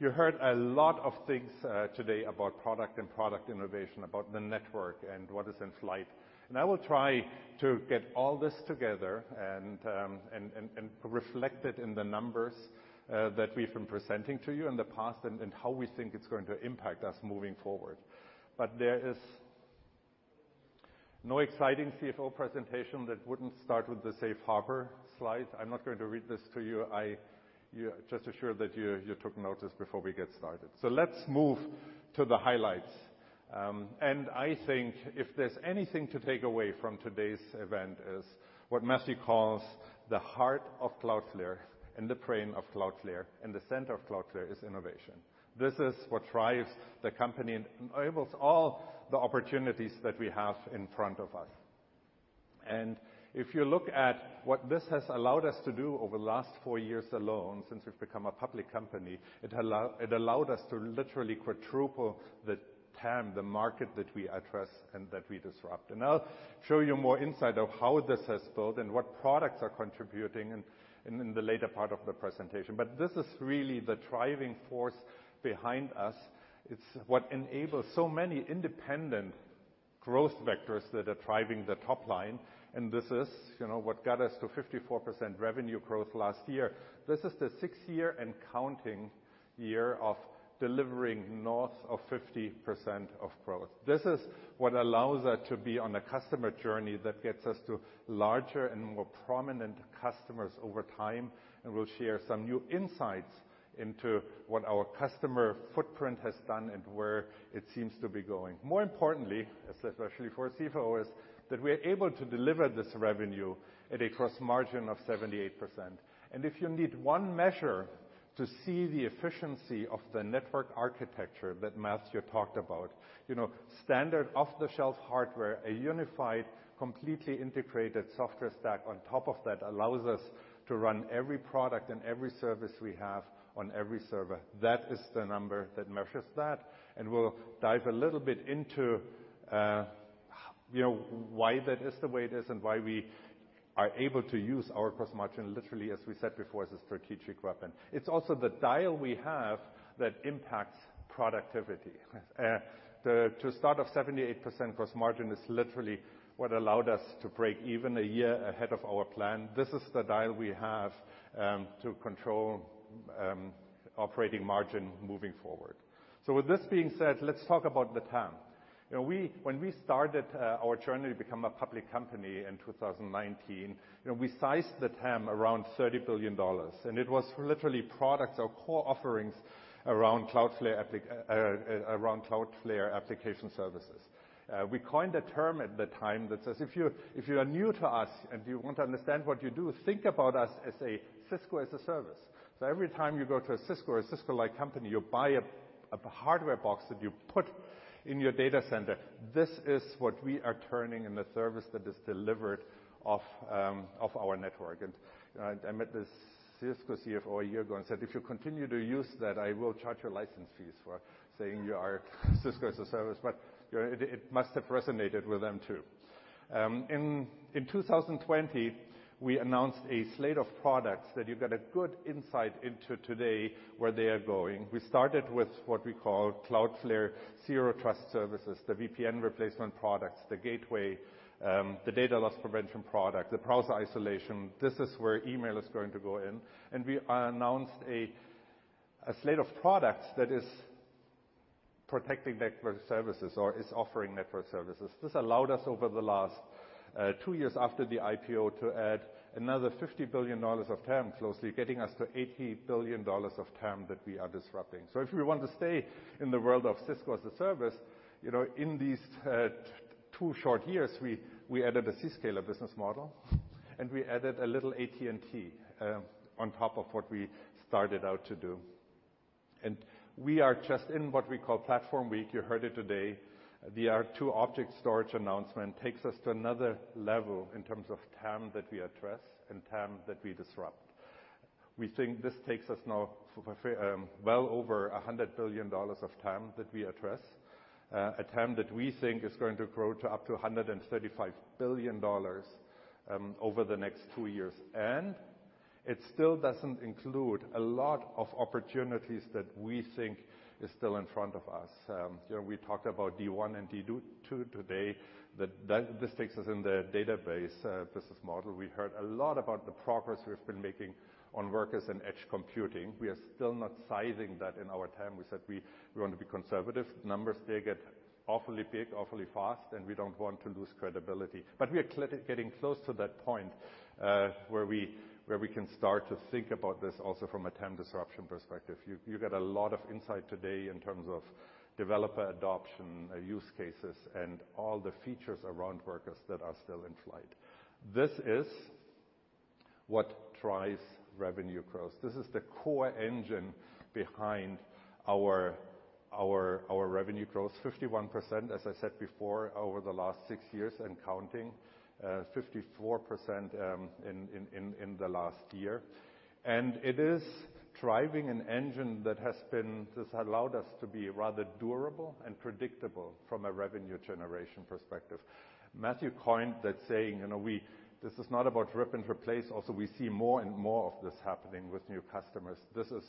You heard a lot of things today about product and product innovation, about the network and what is in flight. I will try to get all this together and reflect it in the numbers that we've been presenting to you in the past and how we think it's going to impact us moving forward. There is no exciting CFO presentation that wouldn't start with the safe harbor slide. I'm not going to read this to you. I just assure that you took notice before we get started. Let's move to the highlights. I think if there's anything to take away from today's event is what Matthew calls the heart of Cloudflare and the brain of Cloudflare and the center of Cloudflare is innovation. This is what drives the company and enables all the opportunities that we have in front of us. If you look at what this has allowed us to do over the last four years alone since we've become a public company, it allowed us to literally quadruple the TAM, the market that we address and that we disrupt. I'll show you more insight of how this has built and what products are contributing in the later part of the presentation. This is really the driving force behind us. It's what enables so many independent growth vectors that are driving the top line, and this is, you know, what got us to 54% revenue growth last year. This is the sixth year and counting year of delivering north of 50% of growth. This is what allows us to be on a customer journey that gets us to larger and more prominent customers over time, and we'll share some new insights into what our customer footprint has done and where it seems to be going. More importantly, especially for CFOs, that we're able to deliver this revenue at a gross margin of 78%. If you need one measure to see the efficiency of the network architecture that Matthew talked about, you know, standard off-the-shelf hardware, a unified, completely integrated software stack on top of that allows us to run every product and every service we have on every server. That is the number that measures that. We'll dive a little bit into, you know, why that is the way it is and why we are able to use our gross margin literally, as we said before, as a strategic weapon. It's also the dial we have that impacts productivity. The start of 78% gross margin is literally what allowed us to break even a year ahead of our plan. This is the dial we have to control operating margin moving forward. With this being said, let's talk about the TAM. You know, we, when we started our journey to become a public company in 2019, you know, we sized the TAM around $30 billion, and it was literally products or core offerings around Cloudflare application services. We coined a term at the time that says, if you are new to us and you want to understand what we do, think about us as a Cisco-as-a-Service. Every time you go to a Cisco or Cisco-like company, you buy a hardware box that you put in your data center. This is what we are turning into a service that is delivered off our network. I met this Cisco CFO a year ago and said, "If you continue to use that, I will charge you license fees for saying you are Cisco-as-a-Service." You know, it must have resonated with them too. In 2020, we announced a slate of products that you get a good insight into today where they are going. We started with what we call Cloudflare Zero Trust services, the VPN replacement products, the gateway, the Data Loss Prevention product, the Browser Isolation. This is where email is going to go in. We announced a slate of products that is protecting network services or is offering network services. This allowed us over the last two years after the IPO to add another $50 billion of TAM closely, getting us to $80 billion of TAM that we are disrupting. If we want to stay in the world of Cisco-as-a-Service, you know, in these two short years, we added a Zscaler business model, and we added a little AT&T on top of what we started out to do. We are just in what we call Platform Week. You heard it today. The R2 object storage announcement takes us to another level in terms of TAM that we address and TAM that we disrupt. We think this takes us now for, well over $100 billion of TAM that we address, a TAM that we think is going to grow to up to $135 billion, over the next two years. It still doesn't include a lot of opportunities that we think is still in front of us. You know, we talked about D1 and D2 today, that this takes us in the database business model. We heard a lot about the progress we've been making on Workers and edge computing. We are still not sizing that in our TAM. We said we want to be conservative. Numbers, they get awfully big awfully fast, and we don't want to lose credibility. We are getting close to that point where we can start to think about this also from a TAM disruption perspective. You get a lot of insight today in terms of developer adoption, use cases, and all the features around Workers that are still in flight. This is what drives revenue growth? This is the core engine behind our revenue growth. 51%, as I said before, over the last six years and counting. 54% in the last year. It is driving an engine that has allowed us to be rather durable and predictable from a revenue generation perspective. Matthew coined that saying, you know, this is not about rip and replace. We see more and more of this happening with new customers. This is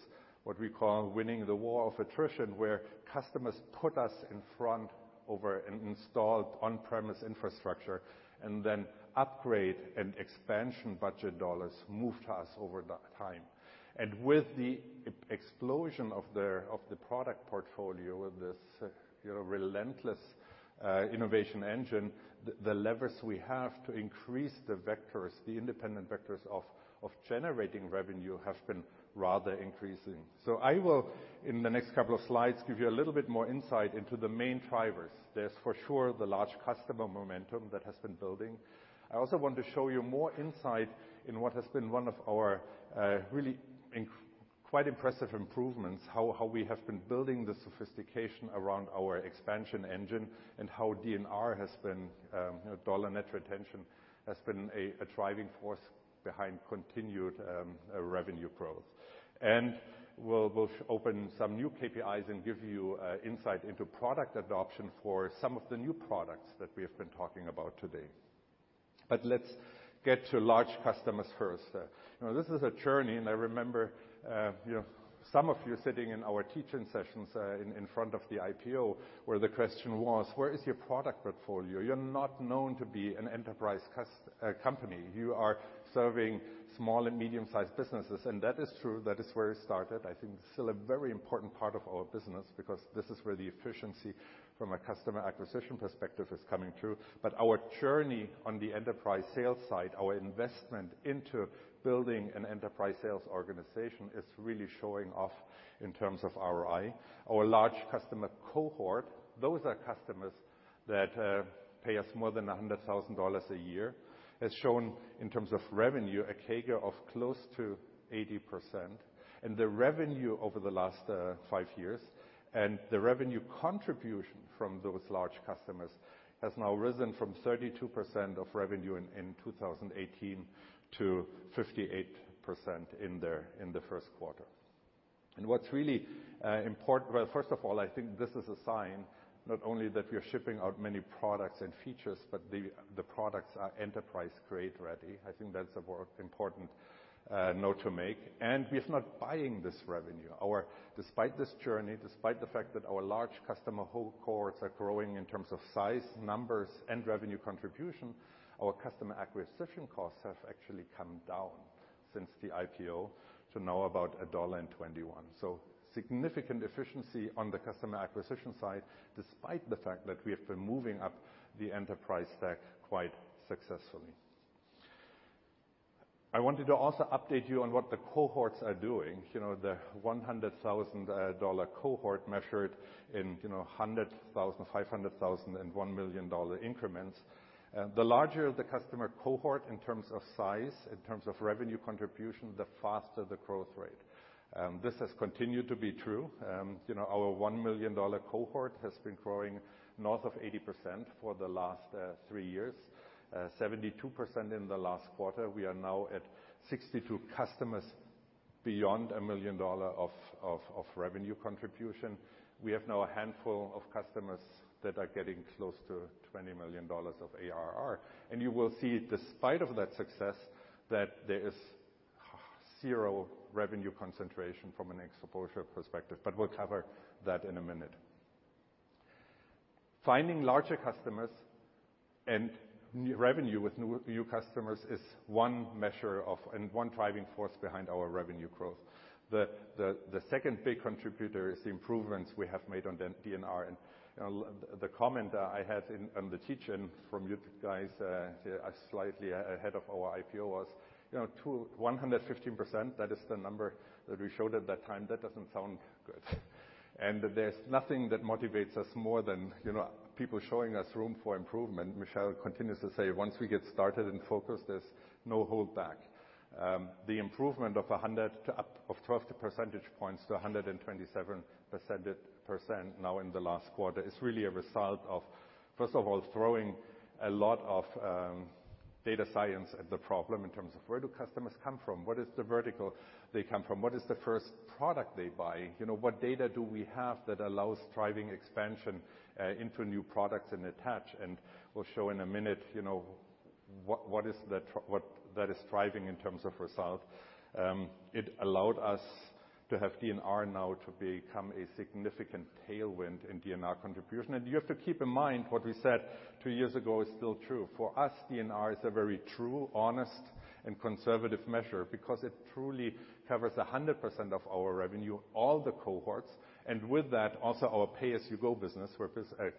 what we call winning the war of attrition, where customers put us in front over an installed on-premise infrastructure, and then upgrade and expansion budget dollars move to us over that time. With the explosion of the product portfolio with this, you know, relentless innovation engine, the levers we have to increase the vectors, the independent vectors of generating revenue have been rather increasing. I will, in the next couple of slides, give you a little bit more insight into the main drivers. There's for sure the large customer momentum that has been building. I also want to show you more insight in what has been one of our really quite impressive improvements, how we have been building the sophistication around our expansion engine and how DNR has been dollar net retention has been a driving force behind continued revenue growth. We'll open some new KPIs and give you insight into product adoption for some of the new products that we have been talking about today. Let's get to large customers first. You know, this is a journey, and I remember, you know, some of you sitting in our teach-in sessions in front of the IPO, where the question was, where is your product portfolio? You're not known to be an enterprise company. You are serving small and medium-sized businesses, and that is true. That is where it started. I think still a very important part of our business because this is where the efficiency from a customer acquisition perspective is coming through. Our journey on the enterprise sales side, our investment into building an enterprise sales organization is really showing off in terms of ROI. Our large customer cohort, those are customers that pay us more than $100,000 a year, has shown in terms of revenue a CAGR of close to 80%. The revenue over the last five years and the revenue contribution from those large customers has now risen from 32% of revenue in 2018 to 58% in the first quarter. What's really important. Well, first of all, I think this is a sign not only that we are shipping out many products and features, but the products are enterprise grade ready. I think that's a very important note to make. We are not buying this revenue. Our. Despite this journey, despite the fact that our large customer cohorts are growing in terms of size, numbers, and revenue contribution, our customer acquisition costs have actually come down since the IPO to now about $1.21. Significant efficiency on the customer acquisition side, despite the fact that we have been moving up the enterprise stack quite successfully. I wanted to also update you on what the cohorts are doing. You know, the $100,000 cohort measured in, you know, $100,000, $500,000, and $1 million increments. The larger the customer cohort in terms of size, in terms of revenue contribution, the faster the growth rate. This has continued to be true. You know, our $1 million cohort has been growing north of 80% for the last three years, 72% in the last quarter. We are now at 62 customers beyond $1 million of revenue contribution. We have now a handful of customers that are getting close to $20 million of ARR. You will see despite that success that there is zero revenue concentration from an exposure perspective, but we'll cover that in a minute. Finding larger customers and new revenue with new customers is one measure of and one driving force behind our revenue growth. The second big contributor is the improvements we have made on the DNR. You know, the comment I had in the teach-in from you guys slightly ahead of our IPO was, you know, 115%, that is the number that we showed at that time. That doesn't sound good. There's nothing that motivates us more than, you know, people showing us room for improvement. Michelle continues to say, "Once we get started and focused, there's no hold back." The improvement of 12 percentage points to 127% now in the last quarter is really a result of, first of all, throwing a lot of data science at the problem in terms of where do customers come from? What is the vertical they come from? What is the first product they buy? You know, what data do we have that allows driving expansion into new products and attach? We'll show in a minute, you know, what that is driving in terms of result. It allowed us to have DNR now to become a significant tailwind in DNR contribution. You have to keep in mind what we said two years ago is still true. For us, DNR is a very true, honest, and conservative measure because it truly covers 100% of our revenue, all the cohorts, and with that, also our pay-as-you-go business, where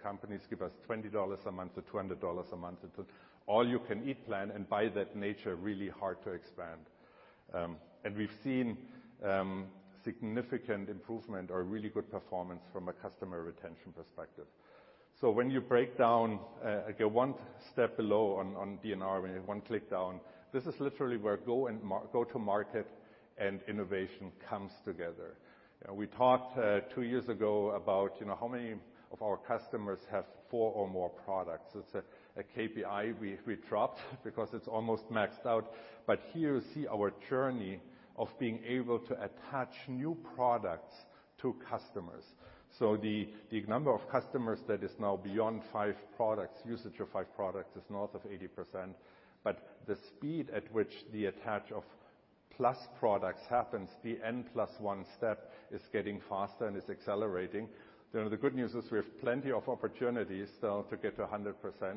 companies give us $20 a month to $200 a month. It's an all-you-can-eat plan, and by that nature, really hard to expand. We've seen significant improvement or really good performance from a customer retention perspective. When you break down, go one step below on DNR, when you're one click down, this is literally where go-to-market and innovation comes together. You know, we talked two years ago about, you know, how many of our customers have four or more products. It's a KPI we dropped because it's almost maxed out. Here you see our journey of being able to attach new products to customers. The number of customers that is now beyond five products, usage of five products, is north of 80%. The speed at which the attach of plus products happens, the n+1 step is getting faster and is accelerating. The good news is we have plenty of opportunities though to get to 100%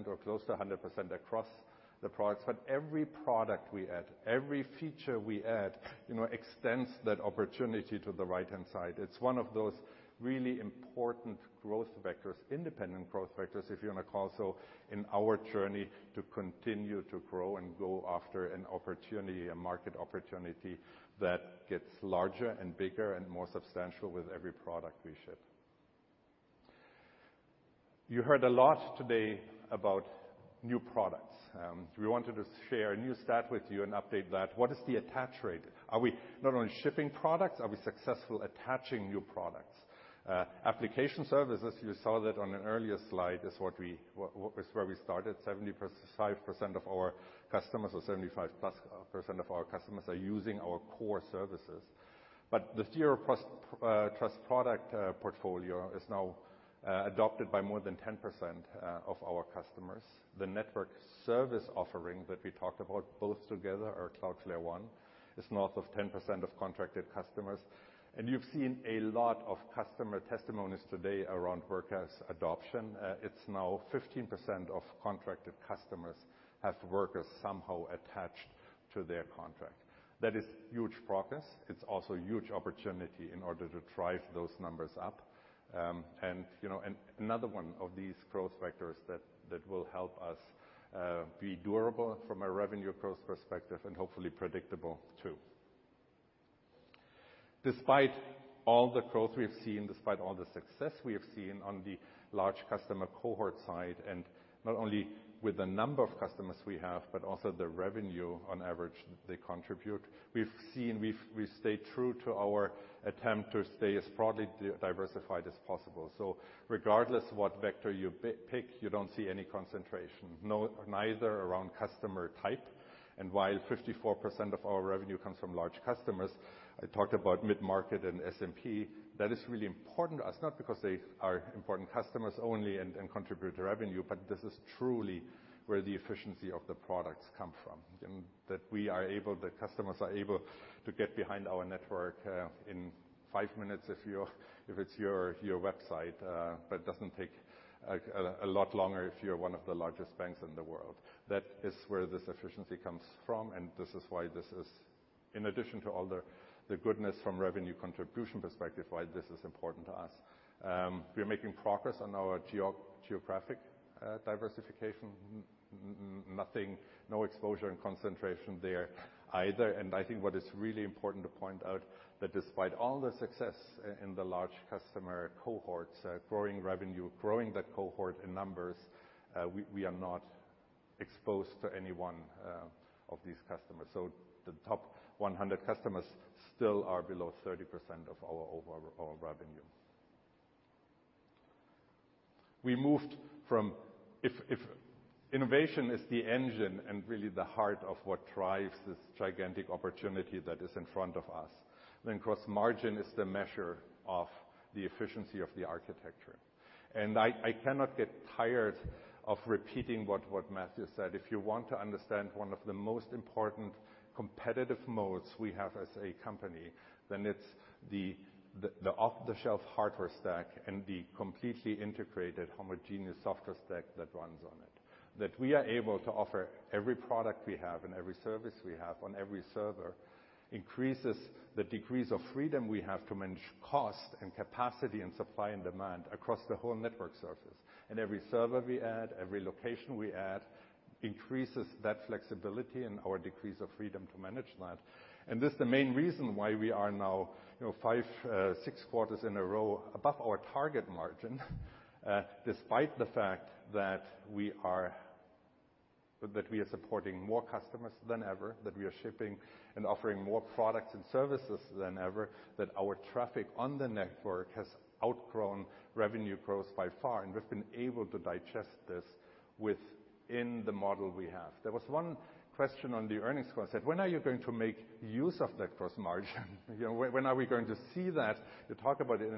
or close to 100% across the products. Every product we add, every feature we add, you know, extends that opportunity to the right-hand side. It's one of those really important growth vectors, independent growth vectors, if you're on a call. In our journey to continue to grow and go after an opportunity, a market opportunity that gets larger and bigger and more substantial with every product we ship. You heard a lot today about new products. We wanted to share a new stat with you and update that. What is the attach rate? Are we not only shipping products, are we successful attaching new products? Application services, you saw that on an earlier slide, is what we was where we started. 75% of our customers, or 75%+ of our customers are using our core services. The Zero Trust product portfolio is now adopted by more than 10% of our customers. The network service offering that we talked about, both together, our Cloudflare One, is north of 10% of contracted customers. You've seen a lot of customer testimonies today around Workers adoption. It's now 15% of contracted customers have Workers somehow attached to their contract. That is huge progress. It's also a huge opportunity in order to drive those numbers up. You know, another one of these growth vectors that will help us be durable from a revenue growth perspective and hopefully predictable too. Despite all the growth we have seen, despite all the success we have seen on the large customer cohort side, and not only with the number of customers we have, but also the revenue on average they contribute, we've seen, we stay true to our attempt to stay as broadly diversified as possible. Regardless what vector you pick, you don't see any concentration. Neither around customer type. While 54% of our revenue comes from large customers, I talked about mid-market and SMB, that is really important to us, not because they are important customers only and contribute to revenue, but this is truly where the efficiency of the products come from. In that the customers are able to get behind our network in five minutes if it's your website. It doesn't take a lot longer if you're one of the largest banks in the world. That is where this efficiency comes from and this is why this is, in addition to all the goodness from revenue contribution perspective, why this is important to us. We are making progress on our geographic diversification. Nothing, no exposure and concentration there either. I think what is really important to point out that despite all the success in the large customer cohorts, growing revenue, growing that cohort in numbers, we are not exposed to any one of these customers. The top 100 customers still are below 30% of our overall revenue. We moved from if innovation is the engine and really the heart of what drives this gigantic opportunity that is in front of us, then gross margin is the measure of the efficiency of the architecture. I cannot get tired of repeating what Matthew said. If you want to understand one of the most important competitive moats we have as a company, then it's the off-the-shelf hardware stack and the completely integrated homogeneous software stack that runs on it. That we are able to offer every product we have and every service we have on every server increases the degrees of freedom we have to manage cost and capacity and supply and demand across the whole network surface. Every server we add, every location we add, increases that flexibility and our degrees of freedom to manage that. This is the main reason why we are now, you know, five, six quarters in a row above our target margin, despite the fact that we are supporting more customers than ever, that we are shipping and offering more products and services than ever, that our traffic on the network has outgrown revenue growth by far, and we've been able to digest this within the model we have. There was one question on the earnings call that said, "When are you going to make use of that gross margin?" You know, "When are we going to see that? You talk about it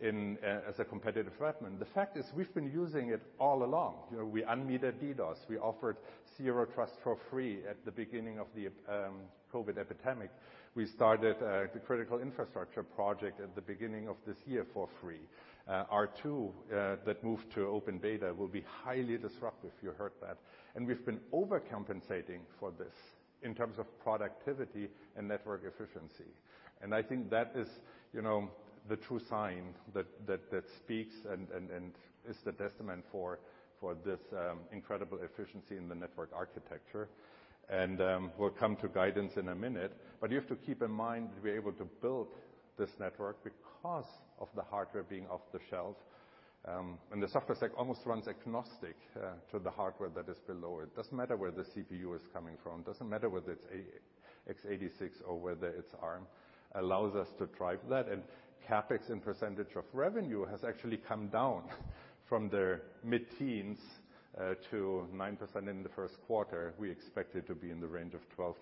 in as a competitive threat." The fact is we've been using it all along. You know, we unmetered DDoS. We offered Zero Trust for free at the beginning of the COVID epidemic. We started the critical infrastructure project at the beginning of this year for free. R2, that move to open data will be highly disruptive. You heard that. We've been overcompensating for this in terms of productivity and network efficiency. I think that is, you know, the true sign that speaks and is the testament for this incredible efficiency in the network architecture. We'll come to guidance in a minute. You have to keep in mind, we're able to build this network because of the hardware being off-the-shelf. The software stack almost runs agnostic to the hardware that is below it. Doesn't matter where the CPU is coming from, doesn't matter whether it's a x86 or whether it's ARM, allows us to drive that. CapEx in percentage of revenue has actually come down from the mid-teens to 9% in the first quarter. We expect it to be in the range of 12%-14%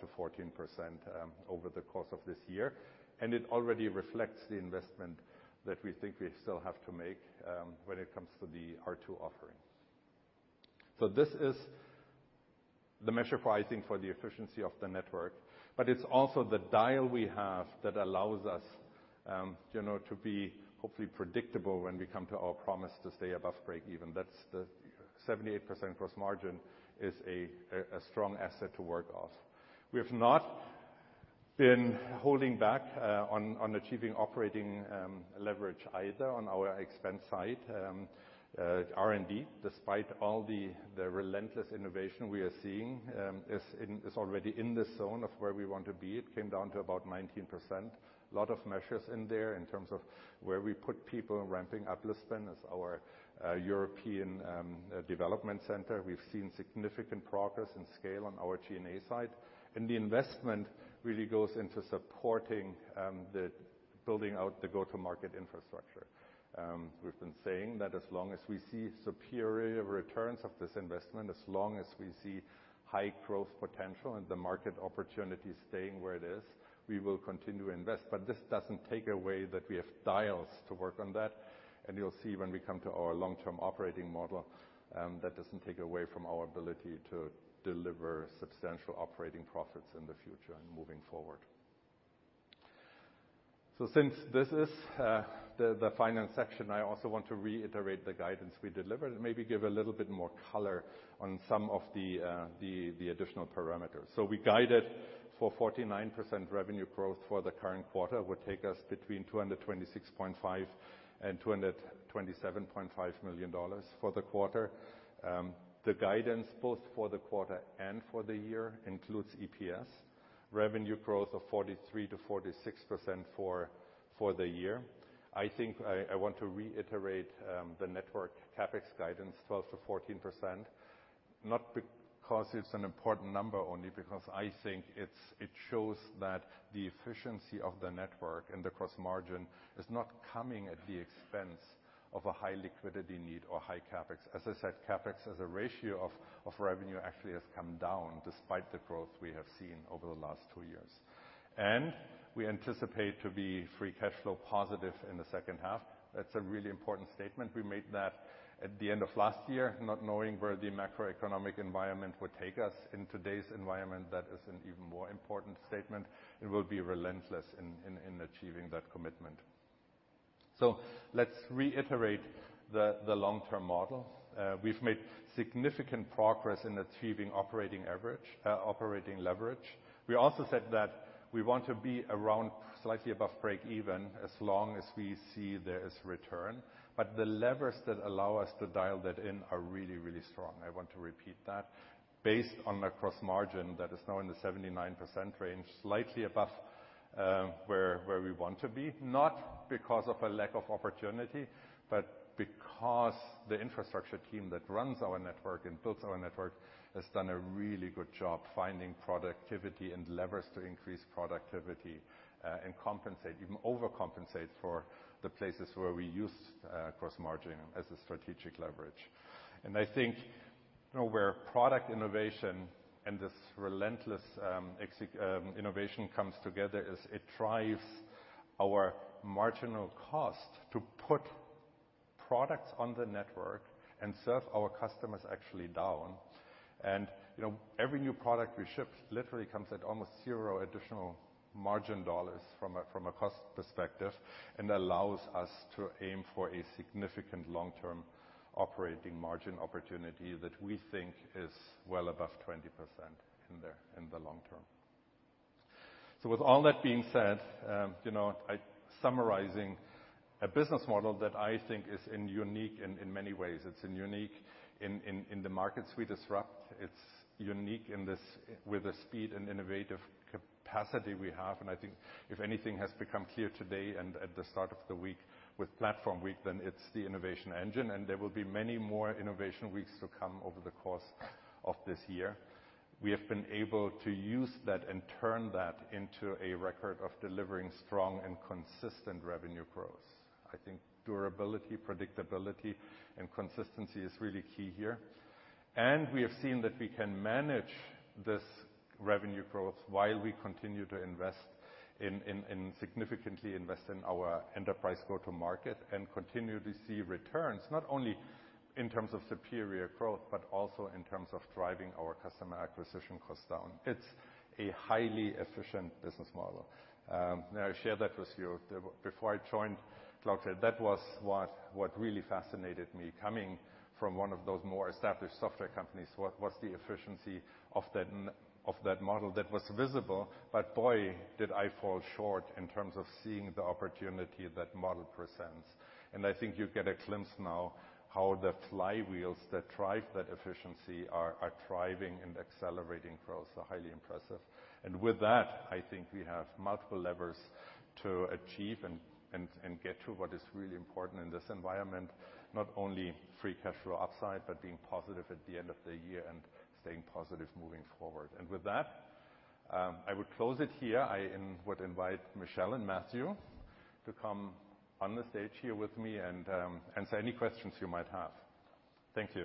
over the course of this year. It already reflects the investment that we think we still have to make when it comes to the R2 offerings. This is the measure pricing for the efficiency of the network, but it's also the dial we have that allows us, you know, to be hopefully predictable when we come to our promise to stay above break even. That's the 78% gross margin is a strong asset to work off. We have not been holding back on achieving operating leverage either on our expense side. R&D, despite all the relentless innovation we are seeing, is already in the zone of where we want to be. It came down to about 19%. A lot of measures in there in terms of where we put people. Ramping up Lisbon as our European development center. We've seen significant progress and scale on our G&A side. The investment really goes into supporting the building out the go-to-market infrastructure. We've been saying that as long as we see superior returns of this investment, as long as we see high growth potential and the market opportunity staying where it is, we will continue to invest. This doesn't take away that we have dials to work on that. You'll see when we come to our long-term operating model, that doesn't take away from our ability to deliver substantial operating profits in the future and moving forward. Since this is the finance section, I also want to reiterate the guidance we delivered and maybe give a little bit more color on some of the additional parameters. We guided for 49% revenue growth for the current quarter. Would take us between $226.5 million and $227.5 million for the quarter. The guidance both for the quarter and for the year includes EPS, revenue growth of 43%-46% for the year. I want to reiterate the network CapEx guidance, 12%-14%, not because it's an important number, only because I think it shows that the efficiency of the network and the gross margin is not coming at the expense of a high liquidity need or high CapEx. As I said, CapEx as a ratio of revenue actually has come down despite the growth we have seen over the last two years. We anticipate to be free cash flow positive in the second half. That's a really important statement. We made that at the end of last year, not knowing where the macroeconomic environment would take us. In today's environment, that is an even more important statement, and we'll be relentless in achieving that commitment. Let's reiterate the long-term model. We've made significant progress in achieving operating leverage. We also said that we want to be around slightly above breakeven as long as we see there is return. The levers that allow us to dial that in are really, really strong, I want to repeat that. Based on the gross margin that is now in the 79% range, slightly above, where we want to be, not because of a lack of opportunity, but because the infrastructure team that runs our network and builds our network has done a really good job finding productivity and levers to increase productivity, and compensate, even overcompensate for the places where we use gross margin as a strategic leverage. I think, you know, where product innovation and this relentless innovation comes together is it drives our marginal cost to put products on the network and serve our customers actually down. You know, every new product we ship literally comes at almost zero additional margin dollars from a cost perspective and allows us to aim for a significant long-term operating margin opportunity that we think is well above 20% in the long term. With all that being said, you know, summarizing a business model that I think is unique in many ways. It's unique in the markets we disrupt. It's unique in this, with the speed and innovative capacity we have. I think if anything has become clear today and at the start of the week with platform week, then it's the innovation engine. There will be many more innovation weeks to come over the course of this year. We have been able to use that and turn that into a record of delivering strong and consistent revenue growth. I think durability, predictability and consistency is really key here. We have seen that we can manage this revenue growth while we continue to significantly invest in our enterprise go-to market and continue to see returns, not only in terms of superior growth, but also in terms of driving our customer acquisition costs down. It's a highly efficient business model. Now I shared that with you before I joined Cloudflare. That was what really fascinated me coming from one of those more established software companies. What is the efficiency of that end of that model that was visible. Boy, did I fall short in terms of seeing the opportunity that model presents. I think you get a glimpse now how the flywheels that drive that efficiency are thriving and accelerating growth. Highly impressive. With that, I think we have multiple levers to achieve and get to what is really important in this environment. Not only free cash flow upside, but being positive at the end of the year and staying positive moving forward. With that, I would close it here. I would invite Michelle and Matthew to come on the stage here with me and answer any questions you might have. Thank you.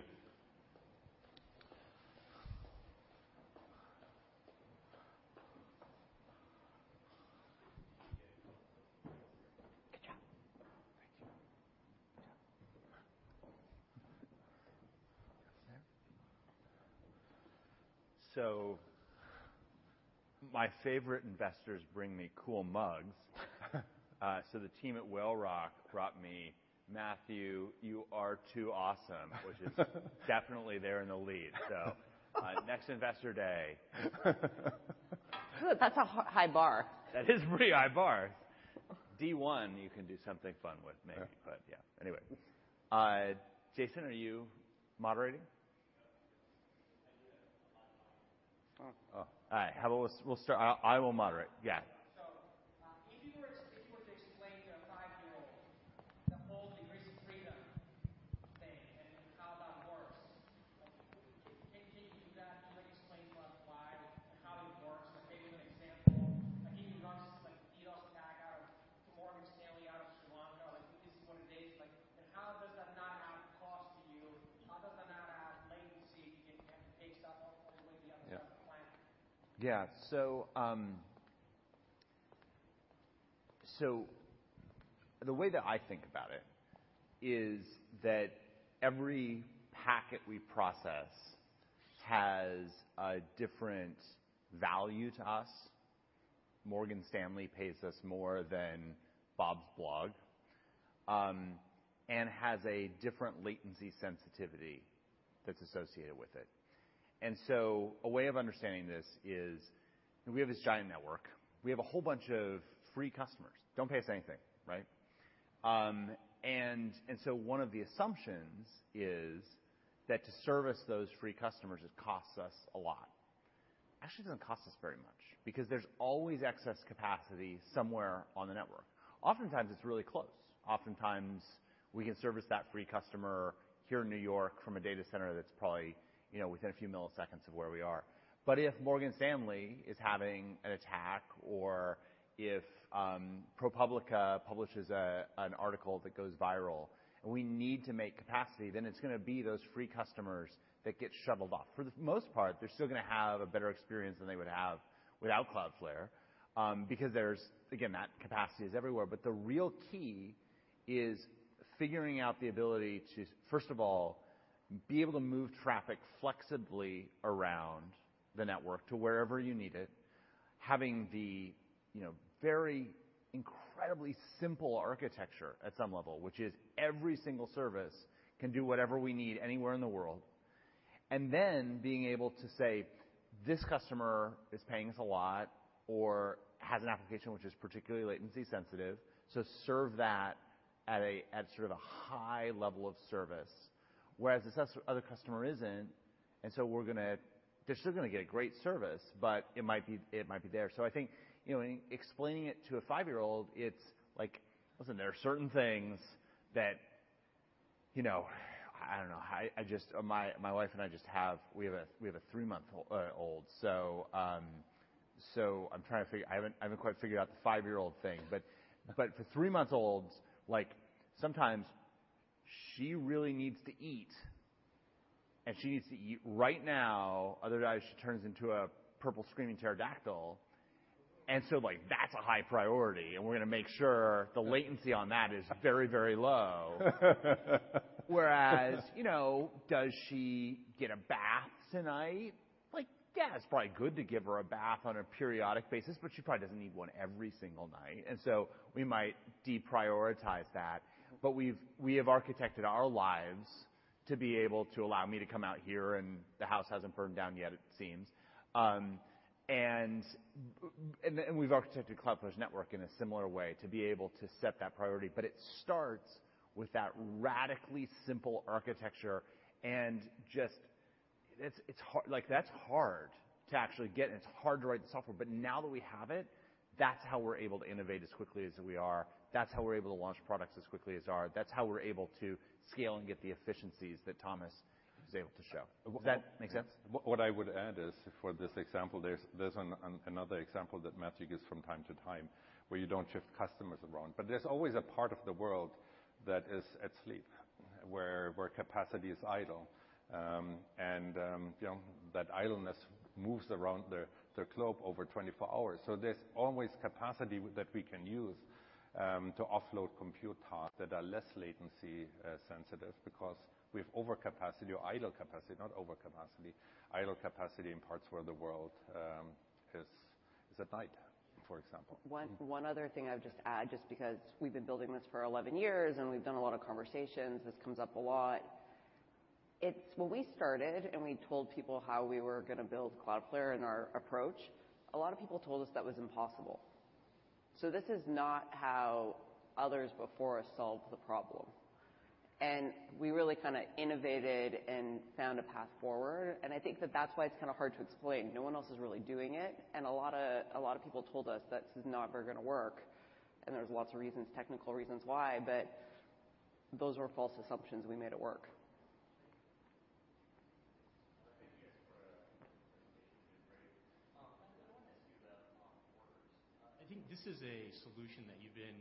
Good job. Thank you. Good job. My favorite investors bring me cool mugs. The team at Whale Rock brought me, "Matthew, you are too awesome." Which is definitely there in the lead. Next investor day. Good. That's a high bar. That is a pretty high bar. D1 you can do something fun with, maybe. Yeah. Yeah. Anyway. Jason, are you moderating? Yeah. Oh. All right. How about we'll start. I will moderate. Yeah. If you were to explain to a five-year-old the whole increased freedom thing and how that works, like, can you do that? Can you like explain Cloudflare and how it works? Like, give me an example. Like even runs like DDoS attack to Morgan Stanley out of Sri Lanka, like this is what it is like. How does that not add cost to you? How does that not add latency if it takes up all the way the other side of the planet? Yeah. The way that I think about it is that every packet we process has a different value to us. Morgan Stanley pays us more than Bob's blog and has a different latency sensitivity that's associated with it. A way of understanding this is we have this giant network. We have a whole bunch of free customers. Don't pay us anything, right? One of the assumptions is that to service those free customers, it costs us a lot. Actually, it doesn't cost us very much because there's always excess capacity somewhere on the network. Oftentimes, it's really close. Oftentimes, we can service that free customer here in New York from a data center that's probably, you know, within a few milliseconds of where we are. If Morgan Stanley is having an attack or if ProPublica publishes an article that goes viral and we need to make capacity, then it's gonna be those free customers that get shoveled off. For the most part, they're still gonna have a better experience than they would have without Cloudflare, because again, that capacity is everywhere. The real key is figuring out the ability to, first of all, be able to move traffic flexibly around the network to wherever you need it. Having the, you know, very incredibly simple architecture at some level, which is every single service can do whatever we need anywhere in the world. Being able to say, "This customer is paying us a lot," or has an application which is particularly latency sensitive, so serve that at sort of a high level of service, whereas this other customer isn't, and we're gonna. They're still gonna get great service, but it might be there. I think, you know, in explaining it to a five-year-old, it's like, listen, there are certain things that, you know. I don't know. I just. My wife and I just have. We have a three-month old. I'm trying to figure. I haven't quite figured out the five-year-old thing. For three-month-olds, like sometimes she really needs to eat, and she needs to eat right now, otherwise she turns into a purple screaming pterodactyl. Like, that's a high priority, and we're gonna make sure the latency on that is very, very low. Whereas, you know, does she get a bath tonight? Like, yeah, it's probably good to give her a bath on a periodic basis, but she probably doesn't need one every single night. We might deprioritize that. But we have architected our lives to be able to allow me to come out here, and the house hasn't burned down yet, it seems. We've architected Cloudflare's network in a similar way to be able to set that priority. But it starts with that radically simple architecture and just. Like, that's hard to actually get, and it's hard to write the software. But now that we have it, that's how we're able to innovate as quickly as we are. That's how we're able to launch products as quickly as we are. That's how we're able to scale and get the efficiencies that Thomas was able to show. Does that make sense? What I would add is for this example, there's another example that Matthew gives from time to time where you don't shift customers around. There's always a part of the world that is asleep. Where capacity is idle. You know, that idleness moves around the globe over 24 hours. There's always capacity that we can use to offload compute tasks that are less latency sensitive because we have over capacity or idle capacity, not over capacity. Idle capacity in parts where the world is at night, for example. One other thing I would just add, just because we've been building this for 11 years and we've done a lot of conversations, this comes up a lot. It's when we started and we told people how we were gonna build Cloudflare and our approach, a lot of people told us that was impossible. This is not how others before us solved the problem, and we really kinda innovated and found a path forward. I think that that's why it's kinda hard to explain. No one else is really doing it, and a lot of people told us that this is not gonna work, and there's lots of reasons, technical reasons why, but those were false assumptions. We made it work. Thank you guys for I wanna ask you about Workers. I think this is a solution that you've been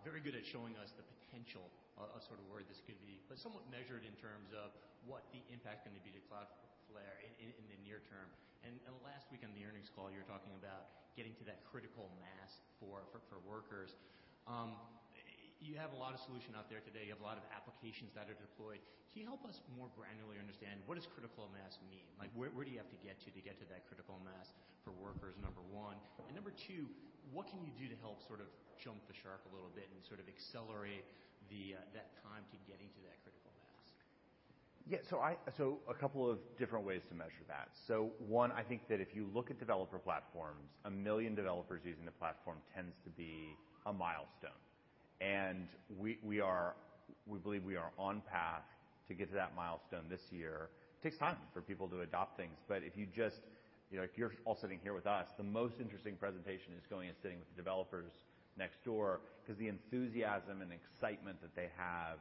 very good at showing us the potential of sort of where this could be, but somewhat measured in terms of what the impact gonna be to Cloudflare in the near term. Last week on the earnings call, you were talking about getting to that critical mass for Workers. You have a lot of solution out there today. You have a lot of applications that are deployed. Can you help us more granularly understand what does critical mass mean? Like where do you have to get to to get to that critical mass for Workers, number one? Number two, what can you do to help sort of jump the shark a little bit and sort of accelerate the that time to getting to that critical mass? Yeah. A couple of different ways to measure that. One, I think that if you look at developer platforms, 1 million developers using the platform tends to be a milestone. We believe we are on path to get to that milestone this year. It takes time for people to adopt things, but if you just you know, if you're all sitting here with us, the most interesting presentation is going and sitting with the developers next door 'cause the enthusiasm and excitement that they have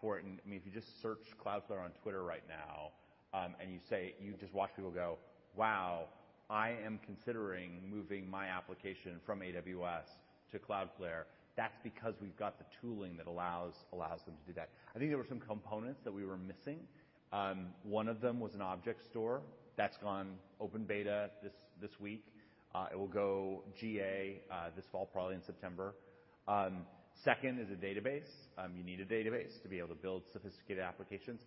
for it. I mean, if you just search Cloudflare on Twitter right now, and you say, you just watch people go, "Wow, I am considering moving my application from AWS to Cloud flare." That's because we've got the tooling that allows them to do that. I think there were some components that we were missing. One of them was an object store. That's gone open beta this week. It will go GA this fall, probably in September. Second is a database. You need a database to be able to build sophisticated applications.